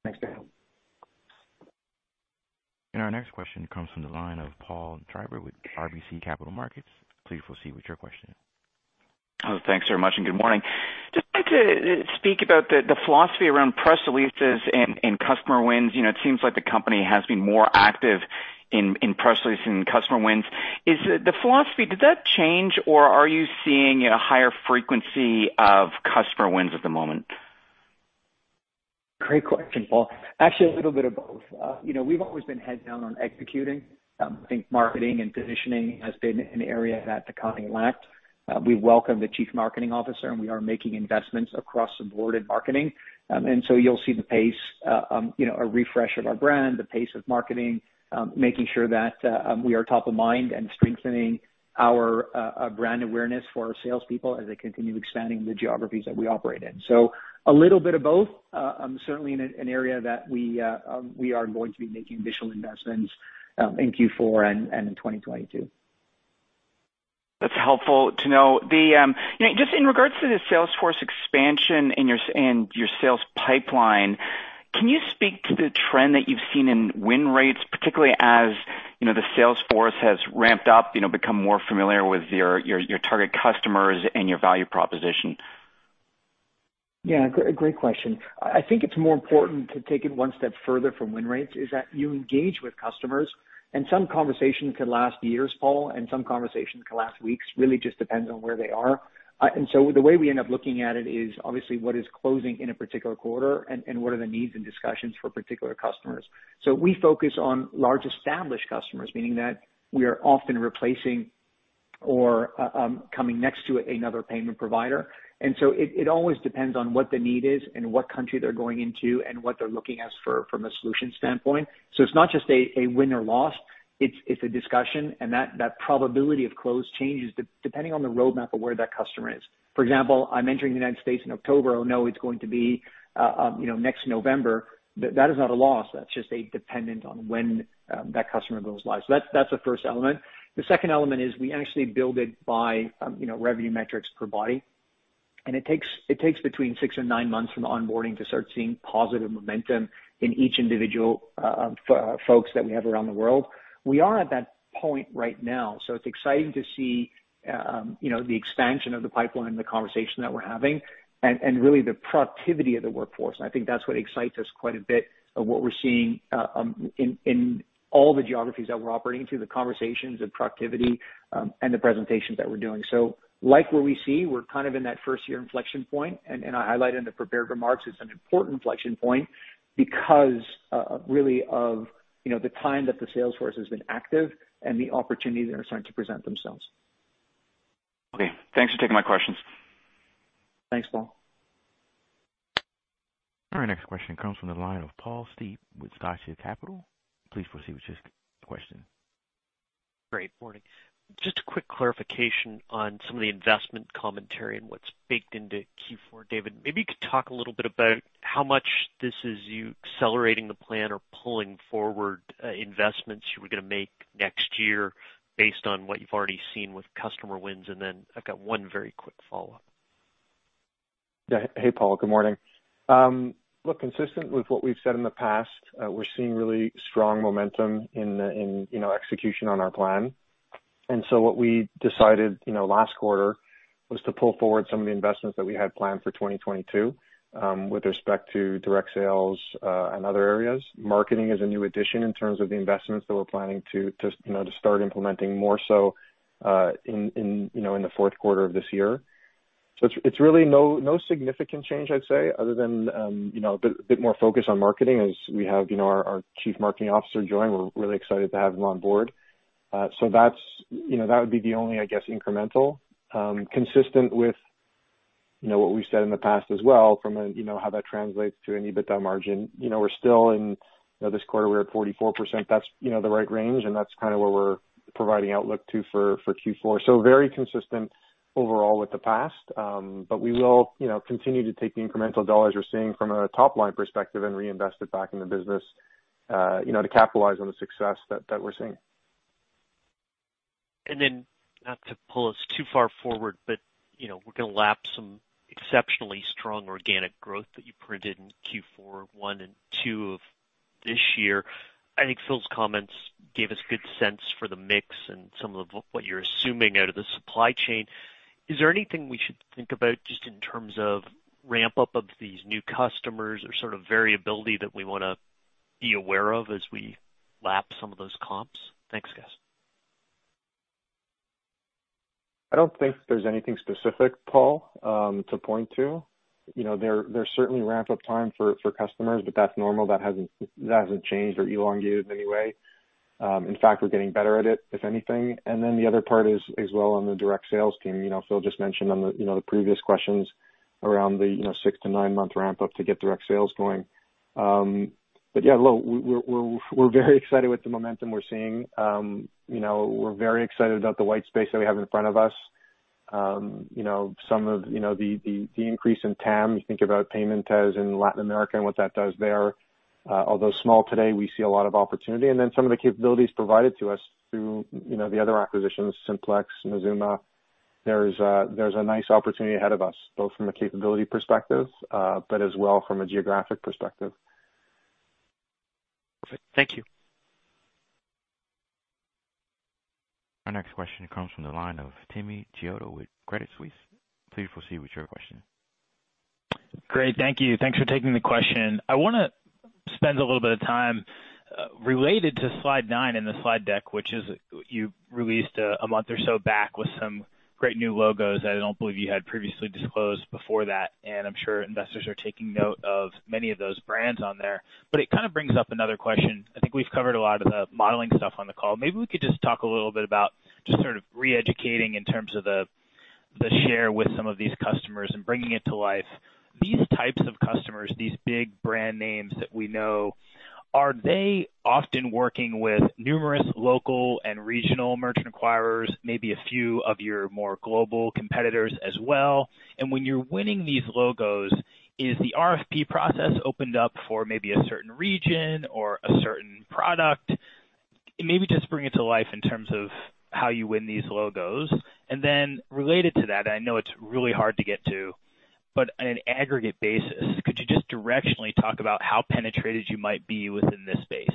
Thanks, Joe. Our next question comes from the line of Paul Treiber with RBC Capital Markets. Please proceed with your question. Oh, thanks very much, and good morning. Just like to speak about the philosophy around press releases and customer wins. You know, it seems like the company has been more active in press releases and customer wins. Is the philosophy, did that change or are you seeing a higher frequency of customer wins at the moment? Great question, Paul. Actually, a little bit of both. You know, we've always been heads down on executing. I think marketing and positioning has been an area that the company lacked. We welcome the Chief Marketing Officer, and we are making investments across the board in marketing. You'll see the pace, you know, a refresh of our brand, the pace of marketing, making sure that we are top of mind and strengthening our brand awareness for our salespeople as they continue expanding the geographies that we operate in. A little bit of both, certainly in an area that we are going to be making additional investments in Q4 and in 2022. That's helpful to know. You know, just in regards to the sales force expansion and your sales pipeline, can you speak to the trend that you've seen in win rates, particularly as, you know, the sales force has ramped up, you know, become more familiar with your target customers and your value proposition? Yeah, great question. I think it's more important to take it one step further from win rates is that you engage with customers, and some conversations could last years, Paul, and some conversations could last weeks. Really just depends on where they are. The way we end up looking at it is obviously what is closing in a particular quarter and what are the needs and discussions for particular customers. We focus on large established customers, meaning that we are often replacing or coming next to another payment provider. It always depends on what the need is and what country they're going into and what they're looking for from a solution standpoint. It's not just a win or loss, it's a discussion. That probability of close changes depending on the roadmap of where that customer is. For example, I'm entering the United States in October. No, it's going to be, you know, next November. That is not a loss. That's just dependent on when that customer goes live. That's the first element. The second element is we actually build it by revenue metrics per body. It takes between 6 and 9 months from onboarding to start seeing positive momentum in each individual folks that we have around the world. We are at that point right now, so it's exciting to see the expansion of the pipeline and the conversation that we're having and really the productivity of the workforce. I think that's what excites us quite a bit of what we're seeing in all the geographies that we're operating through, the conversations, the productivity, and the presentations that we're doing. Like what we see, we're kind of in that first-year inflection point, and I highlight in the prepared remarks, it's an important inflection point because really you know the time that the sales force has been active and the opportunities that are starting to present themselves. Okay, thanks for taking my questions. Thanks, Paul. Our next question comes from the line of Paul Steep with Scotia Capital. Please proceed with your question. Good morning. Just a quick clarification on some of the investment commentary and what's baked into Q4. David, maybe you could talk a little bit about how much this is you accelerating the plan or pulling forward, investments you were gonna make next year based on what you've already seen with customer wins. I've got one very quick follow-up. Yeah. Hey, Paul, good morning. Look, consistent with what we've said in the past, we're seeing really strong momentum in, you know, execution on our plan. What we decided, you know, last quarter was to pull forward some of the investments that we had planned for 2022, with respect to direct sales, and other areas. Marketing is a new addition in terms of the investments that we're planning to, you know, to start implementing more so, in the fourth quarter of this year. It's really no significant change, I'd say, other than, you know, a bit more focus on marketing as we have, you know, our Chief Marketing Officer join. We're really excited to have him on board. That's you know, that would be the only, I guess, incremental. Consistent with you know, what we've said in the past as well from a you know, how that translates to an EBITDA margin. You know, we're still in you know, this quarter we're at 44%. That's you know, the right range, and that's kind of where we're providing outlook to for Q4. Very consistent overall with the past. We will you know, continue to take the incremental dollars we're seeing from a top-line perspective and reinvest it back in the business, you know, to capitalize on the success that we're seeing. not to pull us too far forward, but, you know, we're gonna lap some exceptionally strong organic growth that you printed in Q4, 1, and 2 of this year. I think Phil's comments gave us good sense for the mix and some of what you're assuming out of the supply chain. Is there anything we should think about just in terms of ramp-up of these new customers or sort of variability that we wanna be aware of as we lap some of those comps? Thanks, guys. I don't think there's anything specific, Paul, to point to. You know, there's certainly ramp-up time for customers, but that's normal. That hasn't changed or elongated in any way. In fact, we're getting better at it, if anything. The other part is, as well on the direct sales team. You know, Phil just mentioned on the previous questions around the 6-9-month ramp-up to get direct sales going. Yeah, look, we're very excited with the momentum we're seeing. You know, we're very excited about the white space that we have in front of us. You know, some of the increase in TAM, you think about Paymentez in Latin America and what that does there. Although small today, we see a lot of opportunity. Some of the capabilities provided to us through, you know, the other acquisitions, Simplex, Mazooma. There's a nice opportunity ahead of us, both from a capability perspective, but as well from a geographic perspective. Perfect. Thank you. Our next question comes from the line of Timothy Chiodo with Credit Suisse. Please proceed with your question. Great. Thank you. Thanks for taking the question. I wanna spend a little bit of time related to slide nine in the slide deck, which is you released a month or so back with some great new logos that I don't believe you had previously disclosed before that. I'm sure investors are taking note of many of those brands on there. It kinda brings up another question. I think we've covered a lot of the modeling stuff on the call. Maybe we could just talk a little bit about just sort of re-educating in terms of the share with some of these customers and bringing it to life. These types of customers, these big brand names that we know, are they often working with numerous local and regional merchant acquirers, maybe a few of your more global competitors as well? When you're winning these logos, is the RFP process opened up for maybe a certain region or a certain product? Maybe just bring it to life in terms of how you win these logos. Then related to that, I know it's really hard to get to, but on an aggregate basis, could you just directionally talk about how penetrated you might be within this space?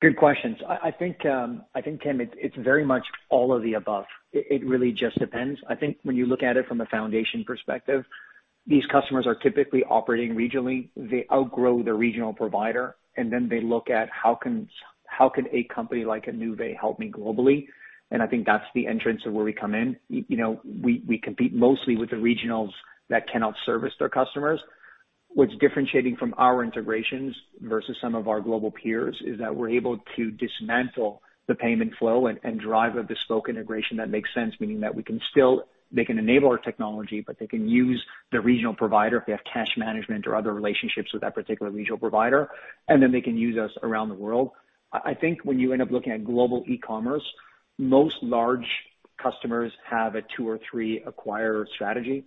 Good questions. I think, Tim, it's very much all of the above. It really just depends. I think when you look at it from a foundation perspective, these customers are typically operating regionally. They outgrow their regional provider, and then they look at how can a company like Nuvei help me globally? I think that's the entrance of where we come in. You know, we compete mostly with the regionals that cannot service their customers. What's differentiating from our integrations versus some of our global peers is that we're able to dismantle the payment flow and drive a bespoke integration that makes sense, meaning that we can still They can enable our technology, but they can use the regional provider if they have cash management or other relationships with that particular regional provider, and then they can use us around the world. I think when you end up looking at global e-commerce, most large customers have a two or three acquirer strategy,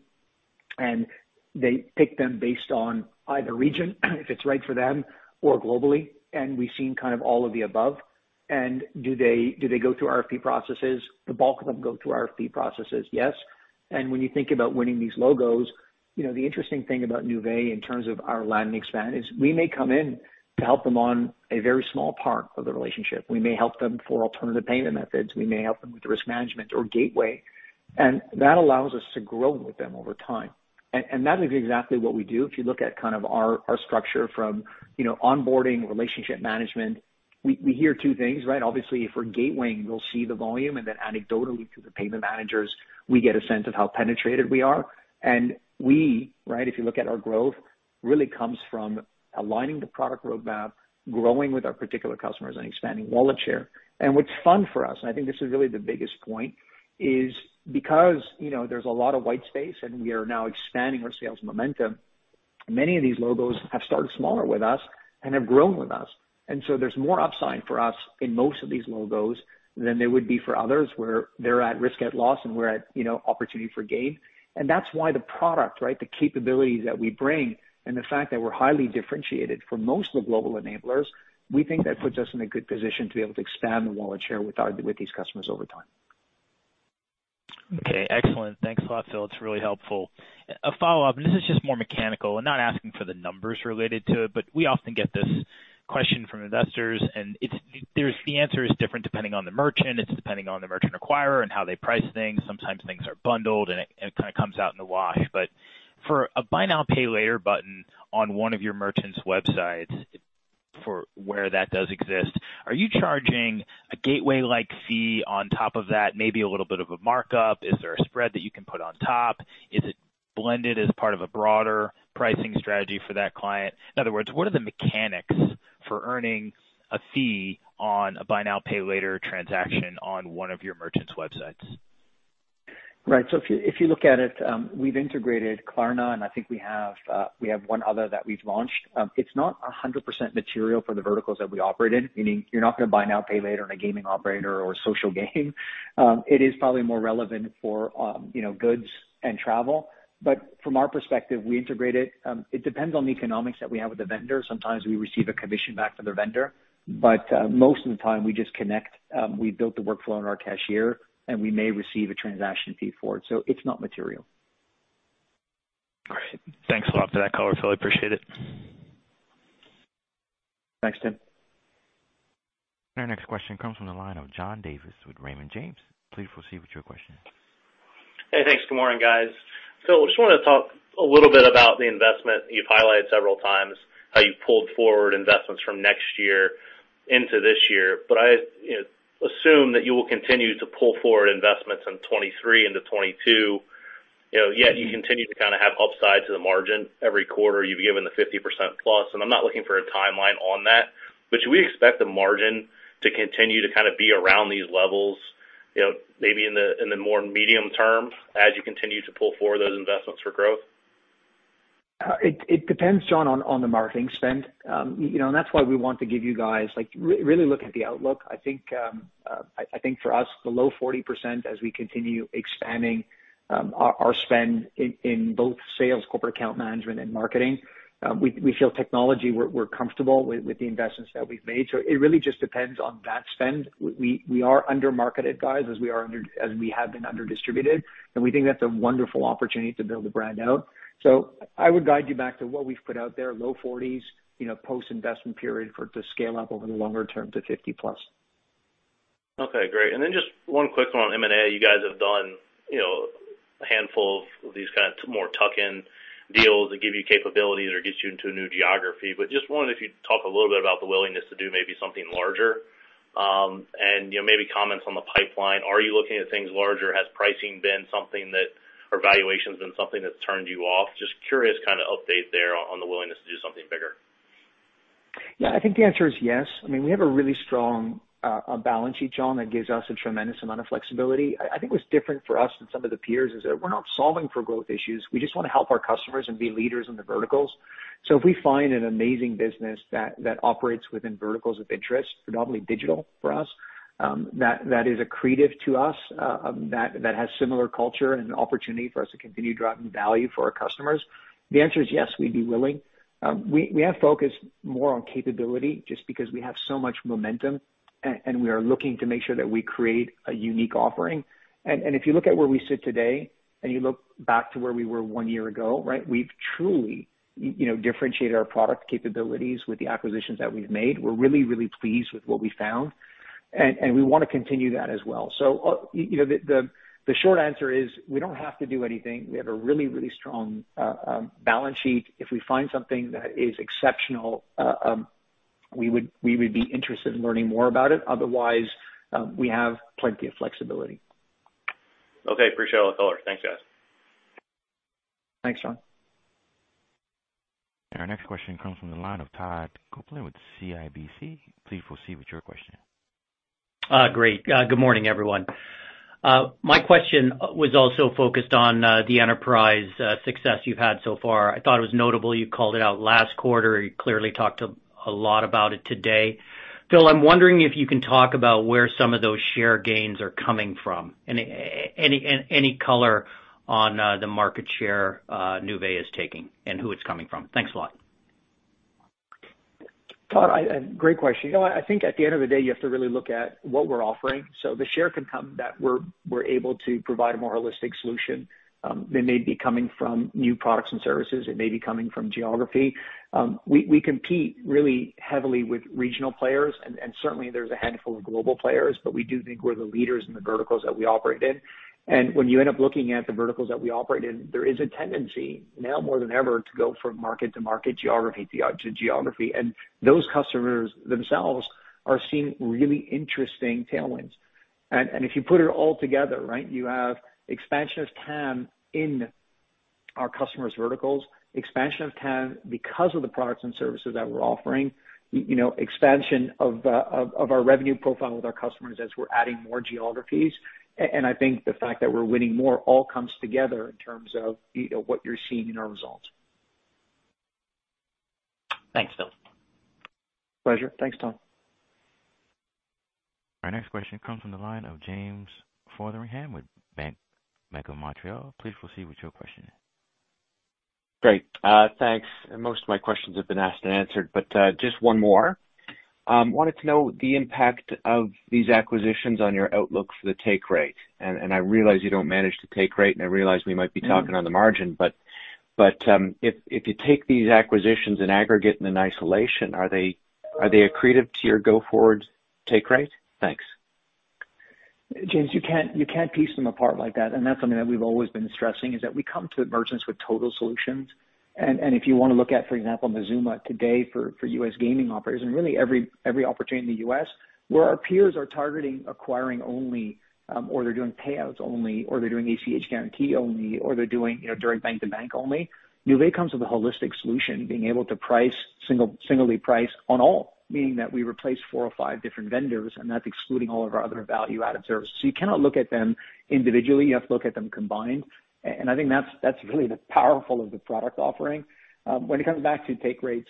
and they pick them based on either region, if it's right for them, or globally. We've seen kind of all of the above. Do they go through RFP processes? The bulk of them go through RFP processes, yes. When you think about winning these logos, you know, the interesting thing about Nuvei in terms of our land and expand is we may come in to help them on a very small part of the relationship. We may help them for alternative payment methods. We may help them with risk management or gateway. That allows us to grow with them over time. That is exactly what we do. If you look at kind of our structure from, you know, onboarding, relationship management, we hear two things, right? Obviously, if we're gatewaying, we'll see the volume, and then anecdotally through the payment managers, we get a sense of how penetrated we are. We, right, if you look at our growth really comes from aligning the product roadmap, growing with our particular customers, and expanding wallet share. What's fun for us, and I think this is really the biggest point, is because, you know, there's a lot of white space and we are now expanding our sales momentum, many of these logos have started smaller with us and have grown with us. There's more upside for us in most of these logos than there would be for others, where they're at risk, at loss, and we're at, you know, opportunity for gain. That's why the product, right, the capabilities that we bring and the fact that we're highly differentiated from most of the global enablers, we think that puts us in a good position to be able to expand the wallet share with these customers over time. Okay. Excellent. Thanks a lot, Phil. It's really helpful. A follow-up, and this is just more mechanical. I'm not asking for the numbers related to it, but we often get this question from investors and the answer is different depending on the merchant, it's depending on the merchant acquirer and how they price things. Sometimes things are bundled and it kinda comes out in the wash. But for a buy now, pay later button on one of your merchants' websites for where that does exist, are you charging a gateway-like fee on top of that, maybe a little bit of a markup? Is there a spread that you can put on top? Is it blended as part of a broader pricing strategy for that client? In other words, what are the mechanics for earning a fee on a buy now, pay later transaction on one of your merchants' websites? Right. If you look at it, we've integrated Klarna, and I think we have one other that we've launched. It's not 100% material for the verticals that we operate in, meaning you're not gonna buy now, pay later on a gaming operator or social game. It is probably more relevant for you know, goods and travel. From our perspective, we integrate it. It depends on the economics that we have with the vendor. Sometimes we receive a commission back from the vendor, but most of the time we just connect. We build the workflow in our cashier, and we may receive a transaction fee for it, so it's not material. Great. Thanks a lot for that color, Phil. I appreciate it. Thanks, Tim. Our next question comes from the line of John Davis with Raymond James. Please proceed with your question. Hey, thanks. Good morning, guys. Just wanted to talk a little bit about the investment. You've highlighted several times how you pulled forward investments from next year into this year. I, you know, assume that you will continue to pull forward investments in 2023 into 2022, you know, yet you continue to kinda have upside to the margin every quarter. You've given the 50%+, and I'm not looking for a timeline on that. Should we expect the margin to continue to kinda be around these levels, you know, maybe in the more medium term as you continue to pull forward those investments for growth? It depends, John, on the marketing spend. You know, and that's why we want to give you guys like really look at the outlook. I think for us below 40% as we continue expanding our spend in both sales, corporate account management and marketing. We are under-marketed guys as we have been under distributed, and we think that's a wonderful opportunity to build the brand out. I would guide you back to what we've put out there, low 40s%, you know, post-investment period for it to scale up over the longer term to 50+%. Okay, great. Then just one quick one on M&A. You guys have done, you know, a handful of these kind of more tuck-in deals that give you capabilities or gets you into a new geography. Just wondering if you'd talk a little bit about the willingness to do maybe something larger, and, you know, maybe comments on the pipeline. Are you looking at things larger? Has pricing been something that, or valuations been something that's turned you off? Just curious kinda update there on the willingness to do something bigger. Yeah. I think the answer is yes. I mean, we have a really strong balance sheet, John, that gives us a tremendous amount of flexibility. I think what's different for us than some of the peers is that we're not solving for growth issues. We just wanna help our customers and be leaders in the verticals. If we find an amazing business that operates within verticals of interest, predominantly digital for us, that is accretive to us, that has similar culture and opportunity for us to continue driving value for our customers, the answer is yes, we'd be willing. We have focused more on capability just because we have so much momentum and we are looking to make sure that we create a unique offering. If you look at where we sit today and you look back to where we were one year ago, right? We've truly, you know, differentiated our product capabilities with the acquisitions that we've made. We're really, really pleased with what we found, and we wanna continue that as well. You know, the short answer is we don't have to do anything. We have a really, really strong balance sheet. If we find something that is exceptional, we would be interested in learning more about it. Otherwise, we have plenty of flexibility. Okay. Appreciate all the color. Thanks, guys. Thanks, John. Our next question comes from the line of Todd Coupland with CIBC. Please proceed with your question. Great. Good morning, everyone. My question was also focused on the enterprise success you've had so far. I thought it was notable you called it out last quarter. You clearly talked a lot about it today. Phil, I'm wondering if you can talk about where some of those share gains are coming from. Any color on the market share Nuvei is taking and who it's coming from. Thanks a lot. Todd, great question. You know what? I think at the end of the day, you have to really look at what we're offering. The share can come that we're able to provide a more holistic solution, that may be coming from new products and services. It may be coming from geography. We compete really heavily with regional players and certainly there's a handful of global players, but we do think we're the leaders in the verticals that we operate in. When you end up looking at the verticals that we operate in, there is a tendency, now more than ever, to go from market to market, geography to geography. Those customers themselves are seeing really interesting tailwinds. If you put it all together, right, you have expansion of TAM in our customers' verticals, expansion of TAM because of the products and services that we're offering, you know, expansion of our revenue profile with our customers as we're adding more geographies. And I think the fact that we're winning more all comes together in terms of, you know, what you're seeing in our results. Thanks, Phil. Pleasure. Thanks, Todd. Our next question comes from the line of James Fotheringham with BMO Capital Markets. Please proceed with your question. Great. Thanks. Most of my questions have been asked and answered, but just one more. Wanted to know the impact of these acquisitions on your outlook for the take rate. I realize you don't manage the take rate, and I realize we might be talking on the margin. If you take these acquisitions in aggregate and in isolation, are they accretive to your go-forward take rate? Thanks. James, you can't piece them apart like that, and that's something that we've always been stressing, is that we come to merchants with total solutions. If you wanna look at, for example, Mazooma today for U.S. gaming operators and really every opportunity in the U.S., where our peers are targeting acquiring only, or they're doing payouts only, or they're doing ACH guarantee only, or they're doing, you know, direct bank-to-bank only, Nuvei comes with a holistic solution, being able to price singly on all, meaning that we replace four or five different vendors, and that's excluding all of our other value-added services. You cannot look at them individually. You have to look at them combined. I think that's really the power of the product offering. When it comes back to take rates,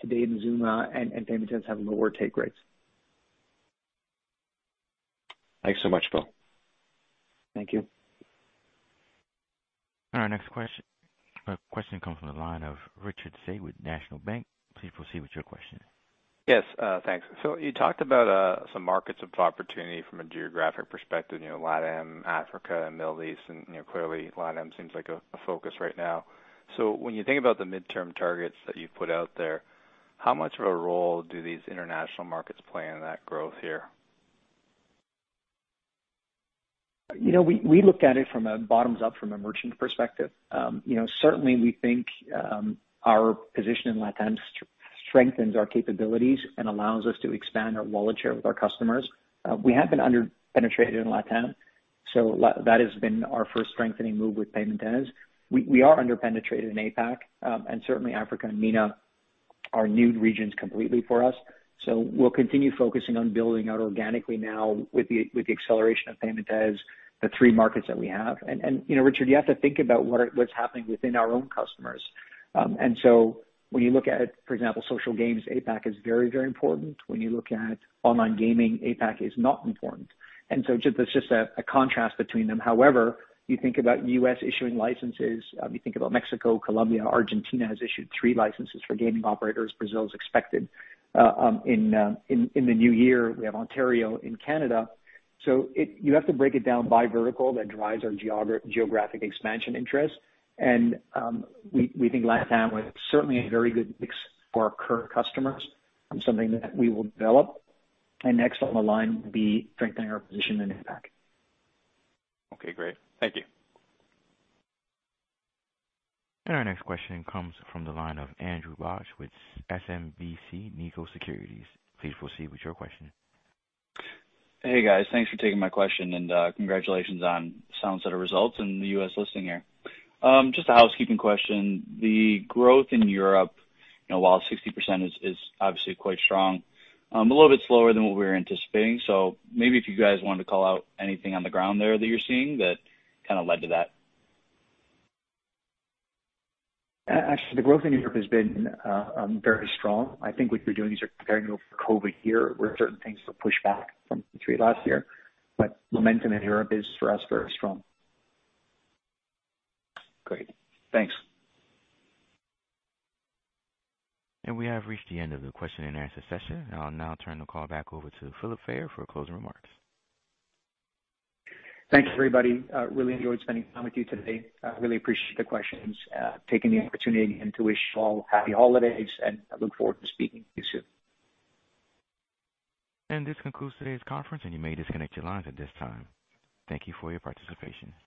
today in Mazooma and Paymentez have lower take rates. Thanks so much, Phil. Thank you. All right, next question comes from the line of Richard Tse with National Bank. Please proceed with your question. Yes, thanks. You talked about some markets of opportunity from a geographic perspective, you know, LatAm, Africa, and Middle East, and, you know, clearly LatAm seems like a focus right now. When you think about the midterm targets that you've put out there, how much of a role do these international markets play in that growth here? You know, we look at it from a bottoms up from a merchant perspective. You know, certainly we think our position in LatAm strengthens our capabilities and allows us to expand our wallet share with our customers. We have been under-penetrated in LatAm, so that has been our first strengthening move with Paymentez. We are under-penetrated in APAC, and certainly Africa and MENA are new regions completely for us. We'll continue focusing on building out organically now with the acceleration of payment as the three markets that we have. You know, Richard, you have to think about what's happening within our own customers. When you look at, for example, social games, APAC is very, very important. When you look at online gaming, APAC is not important. That's just a contrast between them. However, when you think about U.S. issuing licenses, you think about Mexico, Colombia. Argentina has issued three licenses for gaming operators. Brazil is expected in the new year. We have Ontario in Canada. You have to break it down by vertical that drives our geographic expansion interest. We think LATAM is certainly a very good mix for our current customers and something that we will develop. Next on the line will be strengthening our position in APAC. Okay, great. Thank you. Our next question comes from the line of Andrew Bauch with SMBC Nikko Securities. Please proceed with your question. Hey, guys. Thanks for taking my question and congratulations on a sound set of results and the U.S. listing here. Just a housekeeping question. The growth in Europe, you know, while 60% is obviously quite strong, a little bit slower than what we were anticipating. Maybe if you guys wanted to call out anything on the ground there that you're seeing that kind of led to that. Actually, the growth in Europe has been very strong. I think what you're doing is you're comparing over COVID year, where certain things were pushed back from Q3 last year. Momentum in Europe is, for us, very strong. Great. Thanks. We have reached the end of the question and answer session. I'll now turn the call back over to Philip Fayer for closing remarks. Thanks, everybody. Really enjoyed spending time with you today. Really appreciate the questions. Taking the opportunity again to wish you all happy holidays, and I look forward to speaking with you soon. This concludes today's conference, and you may disconnect your lines at this time. Thank you for your participation.